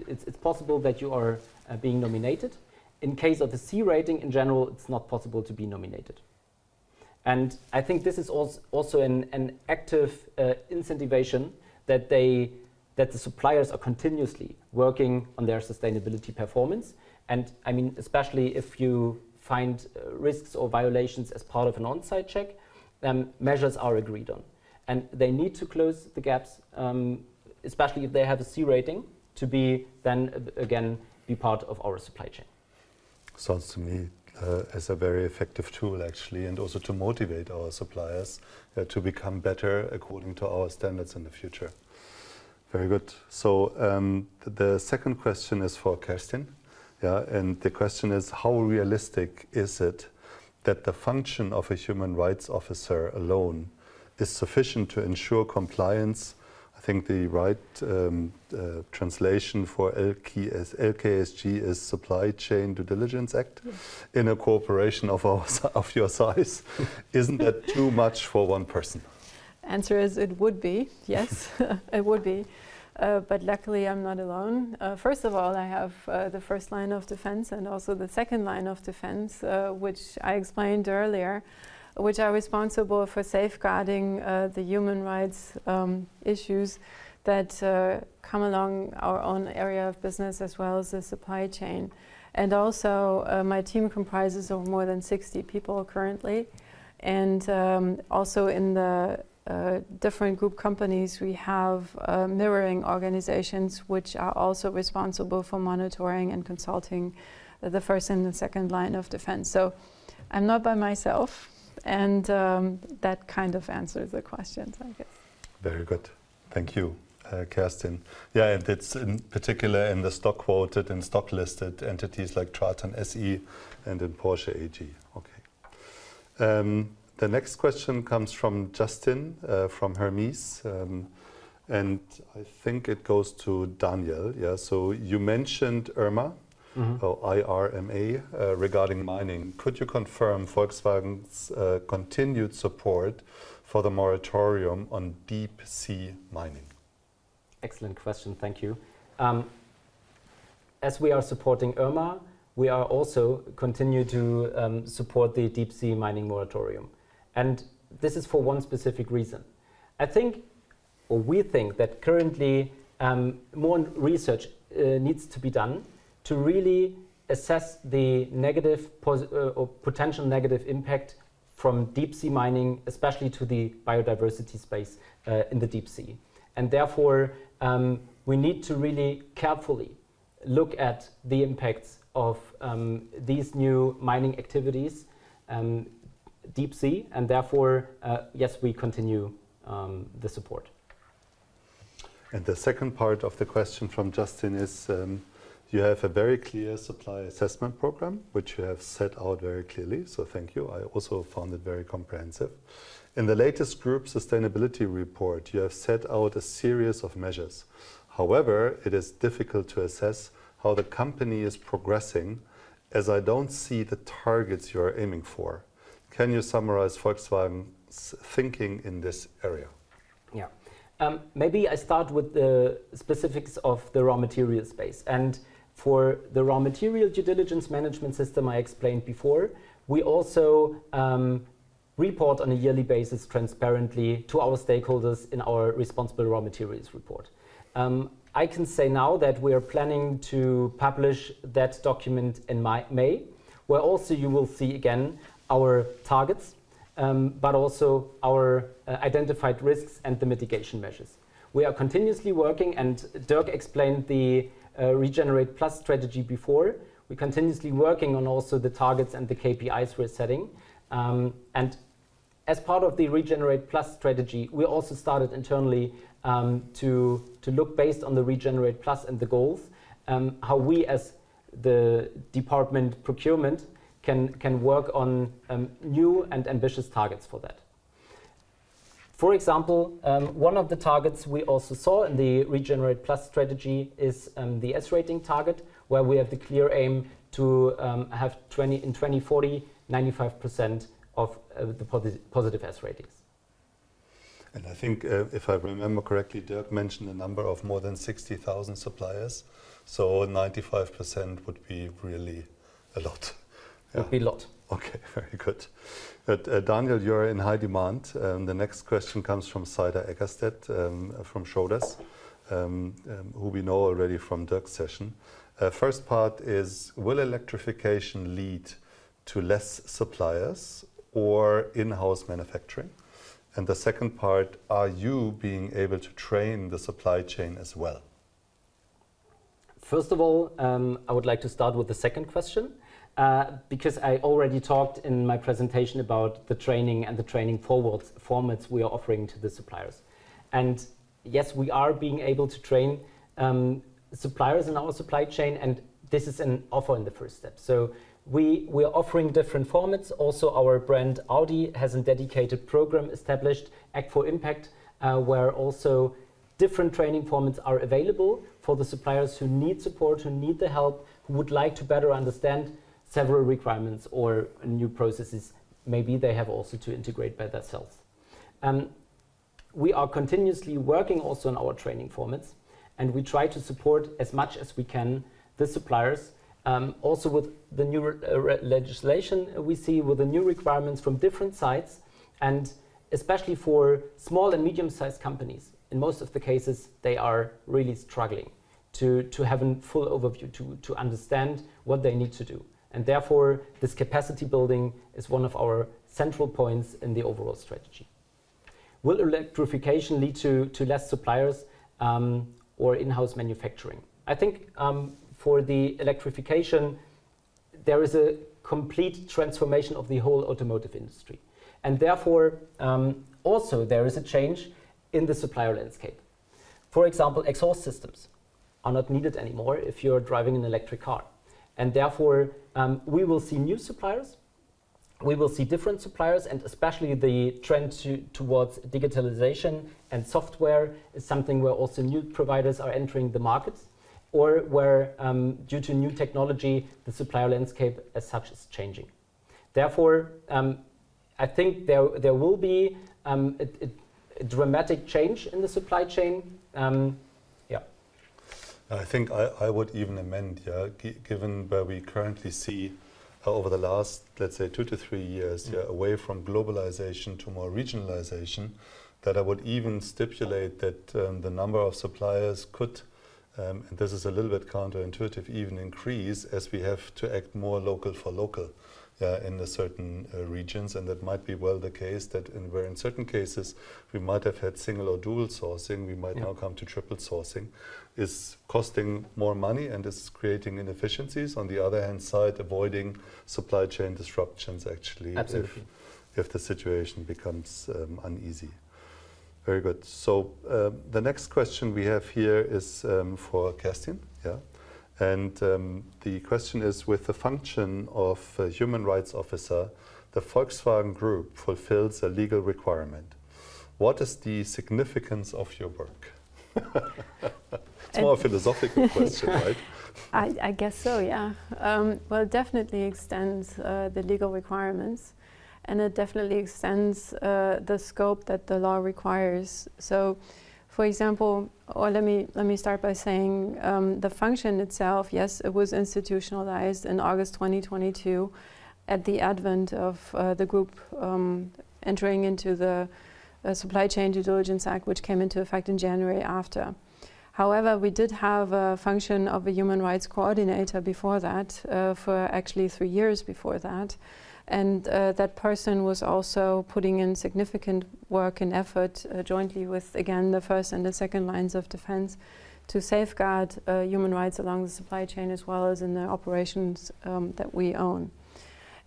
it's possible that you are being nominated. In case of a C rating, in general, it's not possible to be nominated. I think this is also an active incentivization that the suppliers are continuously working on their sustainability performance. I mean, especially if you find risks or violations as part of an on-site check, then measures are agreed on. They need to close the gaps, especially if they have a C rating, to then again be part of our supply chain. Sounds to me as a very effective tool, actually, and also to motivate our suppliers to become better according to our standards in the future. Very good. So the second question is for Kristian. And the question is, how realistic is it that the function of a human rights officer alone is sufficient to ensure compliance? I think the right translation for LKSG is Supply Chain Due Diligence Act. In a corporation of your size, isn't that too much for one person? Answer is it would be. Yes, it would be. But luckily, I'm not alone. First of all, I have the first line of defense and also the second line of defense, which I explained earlier, which are responsible for safeguarding the human rights issues that come along our own area of business as well as the supply chain. Also, my team comprises of more than 60 people currently. Also in the different group companies, we have mirroring organizations which are also responsible for monitoring and consulting the first and the second line of defense. So I'm not by myself. And that kind of answers the questions, I guess. Very good. Thank you, Kristian. Yeah, and it's in particular in the stock quoted and stock listed entities like TRATON SE and in Porsche AG. OK. The next question comes from Justin from Hermes. And I think it goes to Daniel. So you mentioned IRMA, I-R-M-A, regarding mining. Could you confirm Volkswagen's continued support for the moratorium on deep sea mining? Excellent question. Thank you. As we are supporting IRMA, we also continue to support the deep sea mining moratorium. This is for one specific reason. I think, or we think, that currently more research needs to be done to really assess the negative or potential negative impact from deep sea mining, especially to the biodiversity space in the deep sea. Therefore, we need to really carefully look at the impacts of these new mining activities deep sea. Therefore, yes, we continue the support. The second part of the question from Justin is, you have a very clear supply assessment program, which you have set out very clearly. So thank you. I also found it very comprehensive. In the latest group sustainability report, you have set out a series of measures. However, it is difficult to assess how the company is progressing as I don't see the targets you are aiming for. Can you summarize Volkswagen's thinking in this area? Yeah. Maybe I start with the specifics of the raw materials space. For the raw materials due diligence management system I explained before, we also report on a yearly basis transparently to our stakeholders in our responsible raw materials report. I can say now that we are planning to publish that document in May, where also you will see again our targets, but also our identified risks and the mitigation measures. We are continuously working. Dirk explained the Regenerate Plus strategy before. We're continuously working on also the targets and the KPIs we're setting. As part of the Regenerate Plus strategy, we also started internally to look based on the Regenerate Plus and the goals, how we as the department procurement can work on new and ambitious targets for that. For example, one of the targets we also saw in the Regenerate Plus strategy is the S-Rating target, where we have the clear aim to have in 2040, 95% of the positive S-Rating ratings. I think, if I remember correctly, Dirk mentioned a number of more than 60,000 suppliers. 95% would be really a lot. Would be a lot. OK, very good. Daniel, you're in high demand. The next question comes from Saida Eggerstedt from Schroders, who we know already from Dirk's session. First part is, will electrification lead to less suppliers or in-house manufacturing? And the second part, are you being able to train the supply chain as well? First of all, I would like to start with the second question because I already talked in my presentation about the training and the training formats we are offering to the suppliers. And yes, we are being able to train suppliers in our supply chain. And this is an offer in the first step. So we are offering different formats. Also, our brand Audi has a dedicated program established, Act for Impact, where also different training formats are available for the suppliers who need support, who need the help, who would like to better understand several requirements or new processes maybe they have also to integrate by themselves. We are continuously working also on our training formats. And we try to support as much as we can the suppliers, also with the new legislation we see, with the new requirements from different sides. Especially for small and medium-sized companies, in most of the cases, they are really struggling to have a full overview, to understand what they need to do. And therefore, this capacity building is one of our central points in the overall strategy. Will electrification lead to less suppliers or in-house manufacturing? I think for the electrification, there is a complete transformation of the whole automotive industry. And therefore, also, there is a change in the supplier landscape. For example, exhaust systems are not needed anymore if you're driving an electric car. And therefore, we will see new suppliers. We will see different suppliers. And especially the trend towards digitalization and software is something where also new providers are entering the markets or where, due to new technology, the supplier landscape as such is changing. Therefore, I think there will be a dramatic change in the supply chain. Yeah. I think I would even amend, given where we currently see over the last, let's say, 2-3 years, away from globalization to more regionalization, that I would even stipulate that the number of suppliers could, and this is a little bit counterintuitive, even increase as we have to act more local for local in certain regions. And that might be well the case that where in certain cases, we might have had single or dual sourcing, we might now come to triple sourcing, is costing more money and is creating inefficiencies. On the other side, avoiding supply chain disruptions, actually, if the situation becomes uneasy. Very good. So the next question we have here is for Kerstin. And the question is, with the function of human rights officer, the Volkswagen Group fulfills a legal requirement. What is the significance of your work? It's more a philosophical question, right? I guess so, yeah. Well, it definitely extends the legal requirements. It definitely extends the scope that the law requires. So for example, or let me start by saying the function itself, yes, it was institutionalized in August 2022 at the advent of the group entering into the Supply Chain Due Diligence Act, which came into effect in January after. However, we did have a function of a human rights coordinator before that, for actually three years before that. That person was also putting in significant work and effort jointly with, again, the first and the second lines of defense to safeguard human rights along the supply chain as well as in the operations that we own.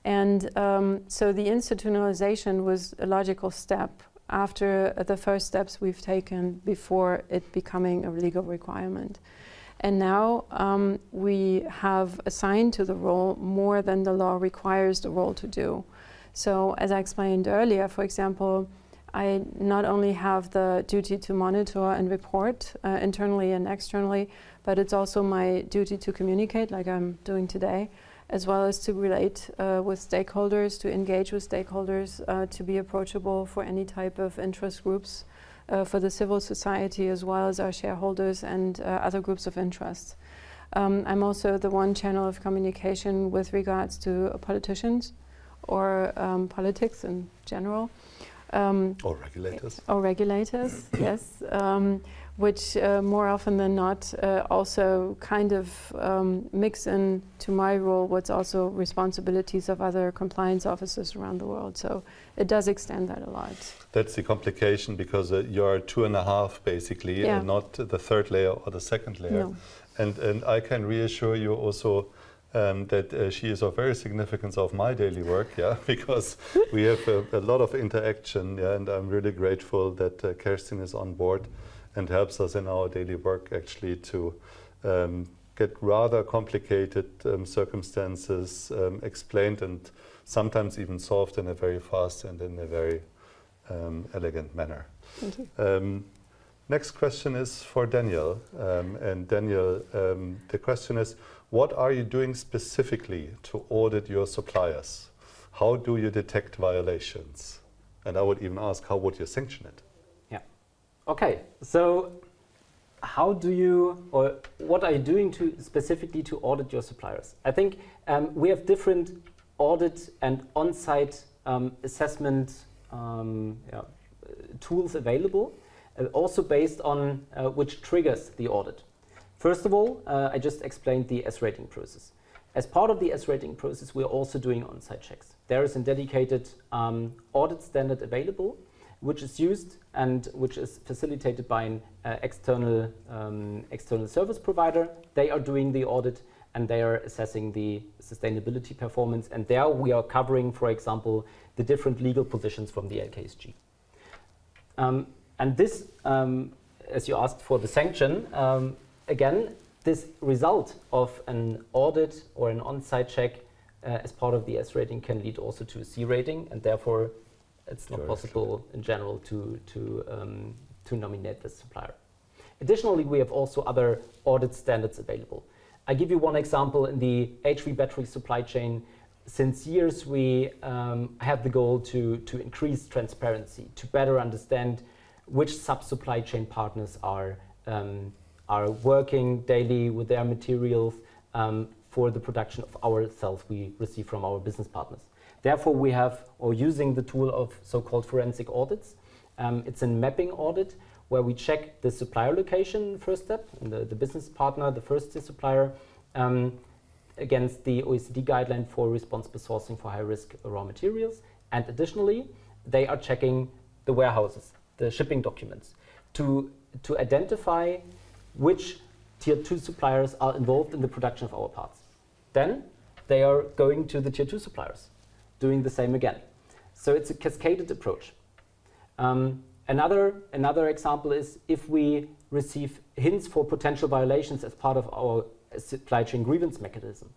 So the institutionalization was a logical step after the first steps we've taken before it becoming a legal requirement. Now we have assigned to the role more than the law requires the role to do. As I explained earlier, for example, I not only have the duty to monitor and report internally and externally, but it's also my duty to communicate, like I'm doing today, as well as to relate with stakeholders, to engage with stakeholders, to be approachable for any type of interest groups, for the civil society as well as our shareholders and other groups of interest. I'm also the one channel of communication with regards to politicians or politics in general. Or regulators. Or regulators, yes, which more often than not also kind of mix into my role what's also responsibilities of other compliance officers around the world. So it does extend that a lot. That's the complication because you are two and a half, basically, and not the third layer or the second layer. I can reassure you also that she is of very significance of my daily work because we have a lot of interaction. I'm really grateful that Kristian is on board and helps us in our daily work, actually, to get rather complicated circumstances explained and sometimes even solved in a very fast and in a very elegant manner. Thank you. Next question is for Daniel. And Daniel, the question is, what are you doing specifically to audit your suppliers? How do you detect violations? And I would even ask, how would you sanction it? Yeah. OK. So how do you or what are you doing specifically to audit your suppliers? I think we have different audit and on-site assessment tools available, also based on which triggers the audit. First of all, I just explained the S-rating process. As part of the S-rating process, we are also doing on-site checks. There is a dedicated audit standard available, which is used and which is facilitated by an external service provider. They are doing the audit. And they are assessing the sustainability performance. And there, we are covering, for example, the different legal positions from the LKSG. And this, as you asked for the sanction, again, this result of an audit or an on-site check as part of the S-rating can lead also to a C rating. And therefore, it's not possible in general to nominate the supplier. Additionally, we have also other audit standards available. I give you one example. In the HV battery supply chain, since years, we have the goal to increase transparency, to better understand which sub-supply chain partners are working daily with their materials for the production of our cells we receive from our business partners. Therefore, we have or using the tool of so-called forensic audits. It's a mapping audit where we check the supplier location, first step, and the business partner, the first supplier, against the OECD guideline for responsible sourcing for high-risk raw materials. And additionally, they are checking the warehouses, the shipping documents, to identify which Tier 2 suppliers are involved in the production of our parts. Then they are going to the Tier 2 suppliers, doing the same again. So it's a cascaded approach. Another example is if we receive hints for potential violations as part of our supply chain grievance mechanism,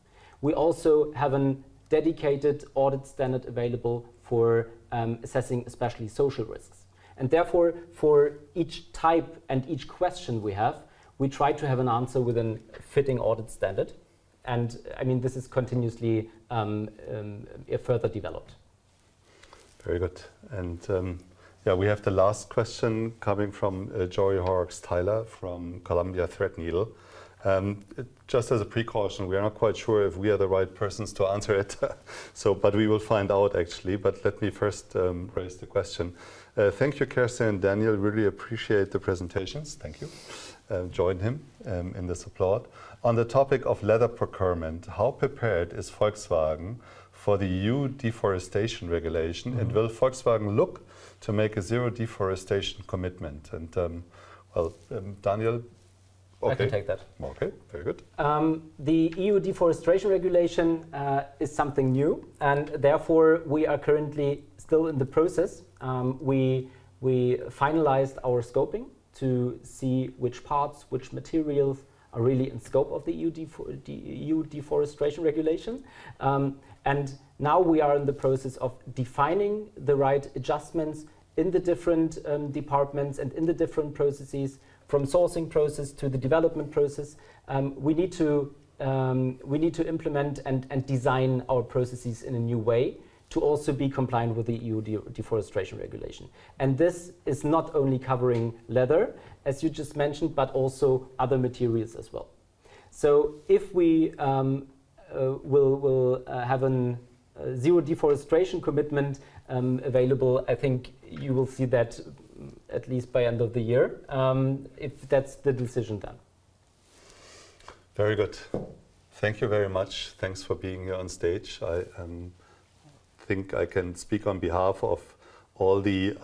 we also have a dedicated audit standard available for assessing especially social risks. Therefore, for each type and each question we have, we try to have an answer within a fitting audit standard. I mean, this is continuously further developed. Very good. And yeah, we have the last question coming from Jory Horrocks-Tyler from Columbia Threadneedle. Just as a precaution, we are not quite sure if we are the right persons to answer it, but we will find out, actually. But let me first raise the question. Thank you, Kerstin and Daniel. Really appreciate the presentations. Thank you. Join him in this applause. On the topic of leather procurement, how prepared is Volkswagen for the EU Deforestation Regulation? And will Volkswagen look to make a zero deforestation commitment? And well, Daniel. I can take that. OK, very good. The EU Deforestation Regulation is something new. Therefore, we are currently still in the process. We finalized our scoping to see which parts, which materials are really in scope of the EU Deforestation Regulation. Now we are in the process of defining the right adjustments in the different departments and in the different processes, from sourcing process to the development process. We need to implement and design our processes in a new way to also be compliant with the EU Deforestation Regulation. This is not only covering leather, as you just mentioned, but also other materials as well. So if we will have a zero deforestation commitment available, I think you will see that at least by the end of the year if that's the decision done. Very good. Thank you very much. Thanks for being here on stage. I think I can speak on behalf of all the,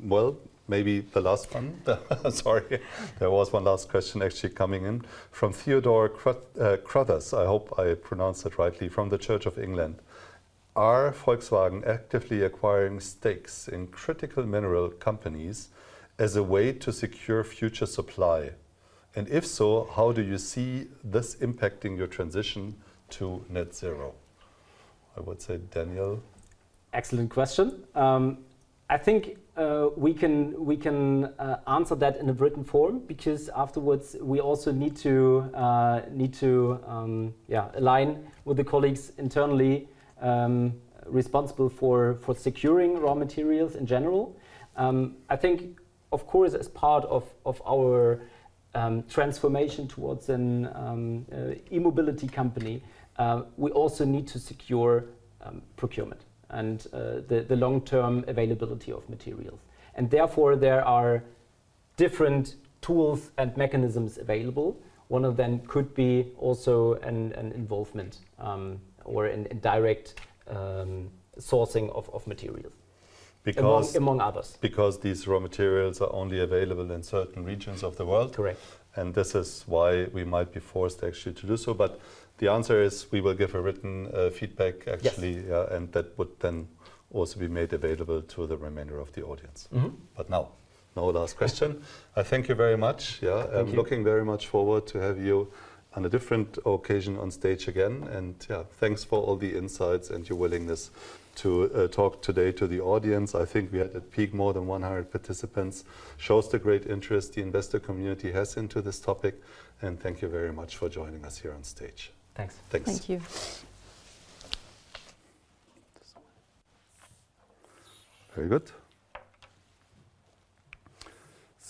well, maybe the last one. Sorry. There was one last question, actually, coming in from Theodore Crowthers. I hope I pronounced it rightly, from the Church of England. Are Volkswagen actively acquiring stakes in critical mineral companies as a way to secure future supply? And if so, how do you see this impacting your transition to net zero? I would say, Daniel. Excellent question. I think we can answer that in a written form because afterwards, we also need to align with the colleagues internally responsible for securing raw materials in general. I think, of course, as part of our transformation towards an e-mobility company, we also need to secure procurement and the long-term availability of materials. And therefore, there are different tools and mechanisms available. One of them could be also an involvement or a direct sourcing of materials. Among others. Because these raw materials are only available in certain regions of the world. Correct. This is why we might be forced, actually, to do so. But the answer is, we will give a written feedback, actually. And that would then also be made available to the remainder of the audience. But now, no last question. I thank you very much. I'm looking very much forward to having you on a different occasion on stage again. And yeah, thanks for all the insights and your willingness to talk today to the audience. I think we had, at peak, more than 100 participants. Shows the great interest the investor community has into this topic. And thank you very much for joining us here on stage. Thanks. Thanks. Thank you. Very good.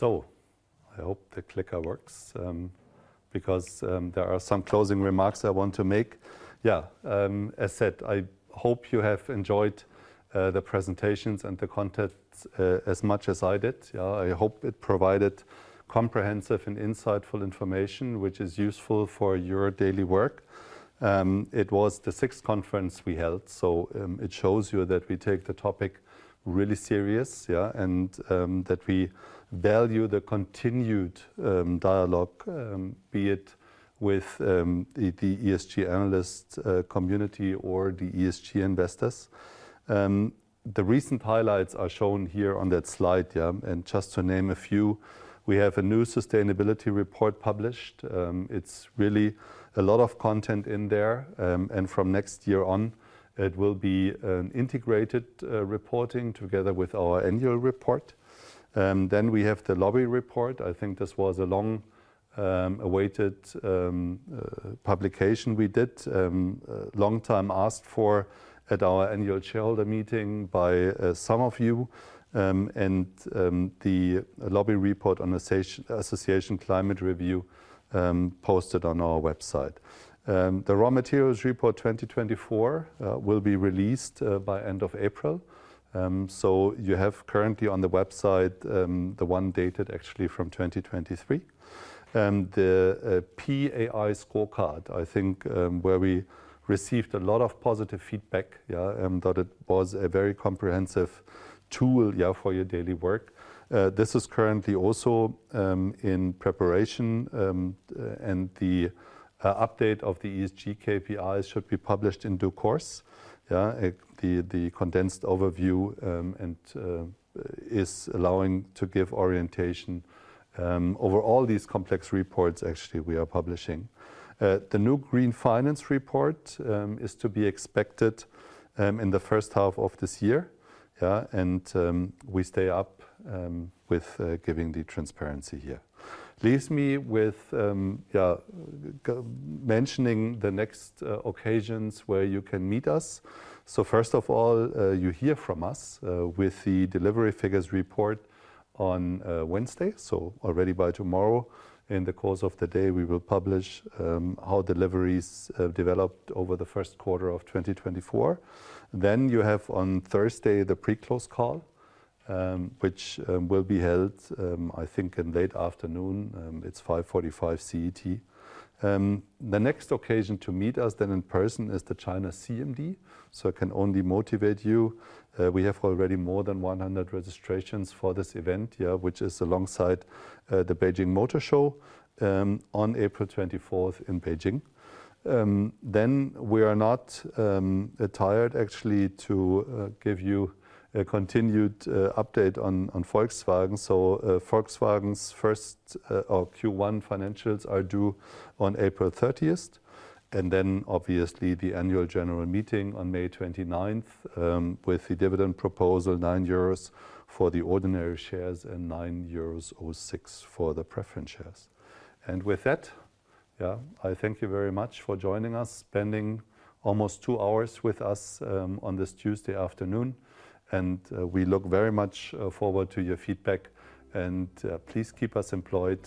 I hope the clicker works because there are some closing remarks I want to make. Yeah, as said, I hope you have enjoyed the presentations and the contents as much as I did. I hope it provided comprehensive and insightful information, which is useful for your daily work. It was the sixth conference we held. It shows you that we take the topic really serious and that we value the continued dialogue, be it with the ESG analyst community or the ESG investors. The recent highlights are shown here on that slide. Just to name a few, we have a new sustainability report published. It's really a lot of content in there. From next year on, it will be an integrated reporting together with our annual report. We have the lobby report. I think this was a long-awaited publication we did, long time asked for at our annual shareholder meeting by some of you. The lobby report on the Association Climate Review posted on our website. The raw materials report 2024 will be released by the end of April. You have currently on the website the one dated, actually, from 2023. The PAI scorecard, I think, where we received a lot of positive feedback that it was a very comprehensive tool for your daily work. This is currently also in preparation. The update of the ESG KPIs should be published in due course. The condensed overview is allowing to give orientation over all these complex reports, actually, we are publishing. The new Green Finance report is to be expected in the first half of this year. We stay up with giving the transparency here. Leaves me with mentioning the next occasions where you can meet us. So first of all, you hear from us with the delivery figures report on Wednesday, so already by tomorrow. In the course of the day, we will publish how deliveries developed over the first quarter of 2024. Then you have, on Thursday, the pre-close call, which will be held, I think, in late afternoon. It's 5:45 P.M. CET. The next occasion to meet us then in person is the China CMD. So I can only motivate you. We have already more than 100 registrations for this event, which is alongside the Beijing Motor Show on April 24 in Beijing. Then we are not tired, actually, to give you a continued update on Volkswagen. So Volkswagen's first or Q1 financials are due on April 30. Then, obviously, the annual general meeting on May 29 with the dividend proposal, 9 euros for the ordinary shares and 9.06 euros for the preference shares. With that, I thank you very much for joining us, spending almost two hours with us on this Tuesday afternoon. We look very much forward to your feedback. Please keep us employed,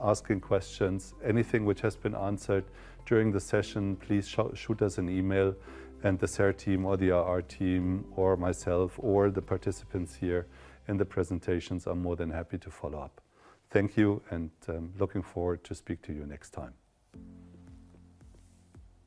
asking questions. Anything which has been answered during the session, please shoot us an email. The CER team or the RR team or myself or the participants here in the presentations are more than happy to follow up. Thank you. Looking forward to speaking to you next time.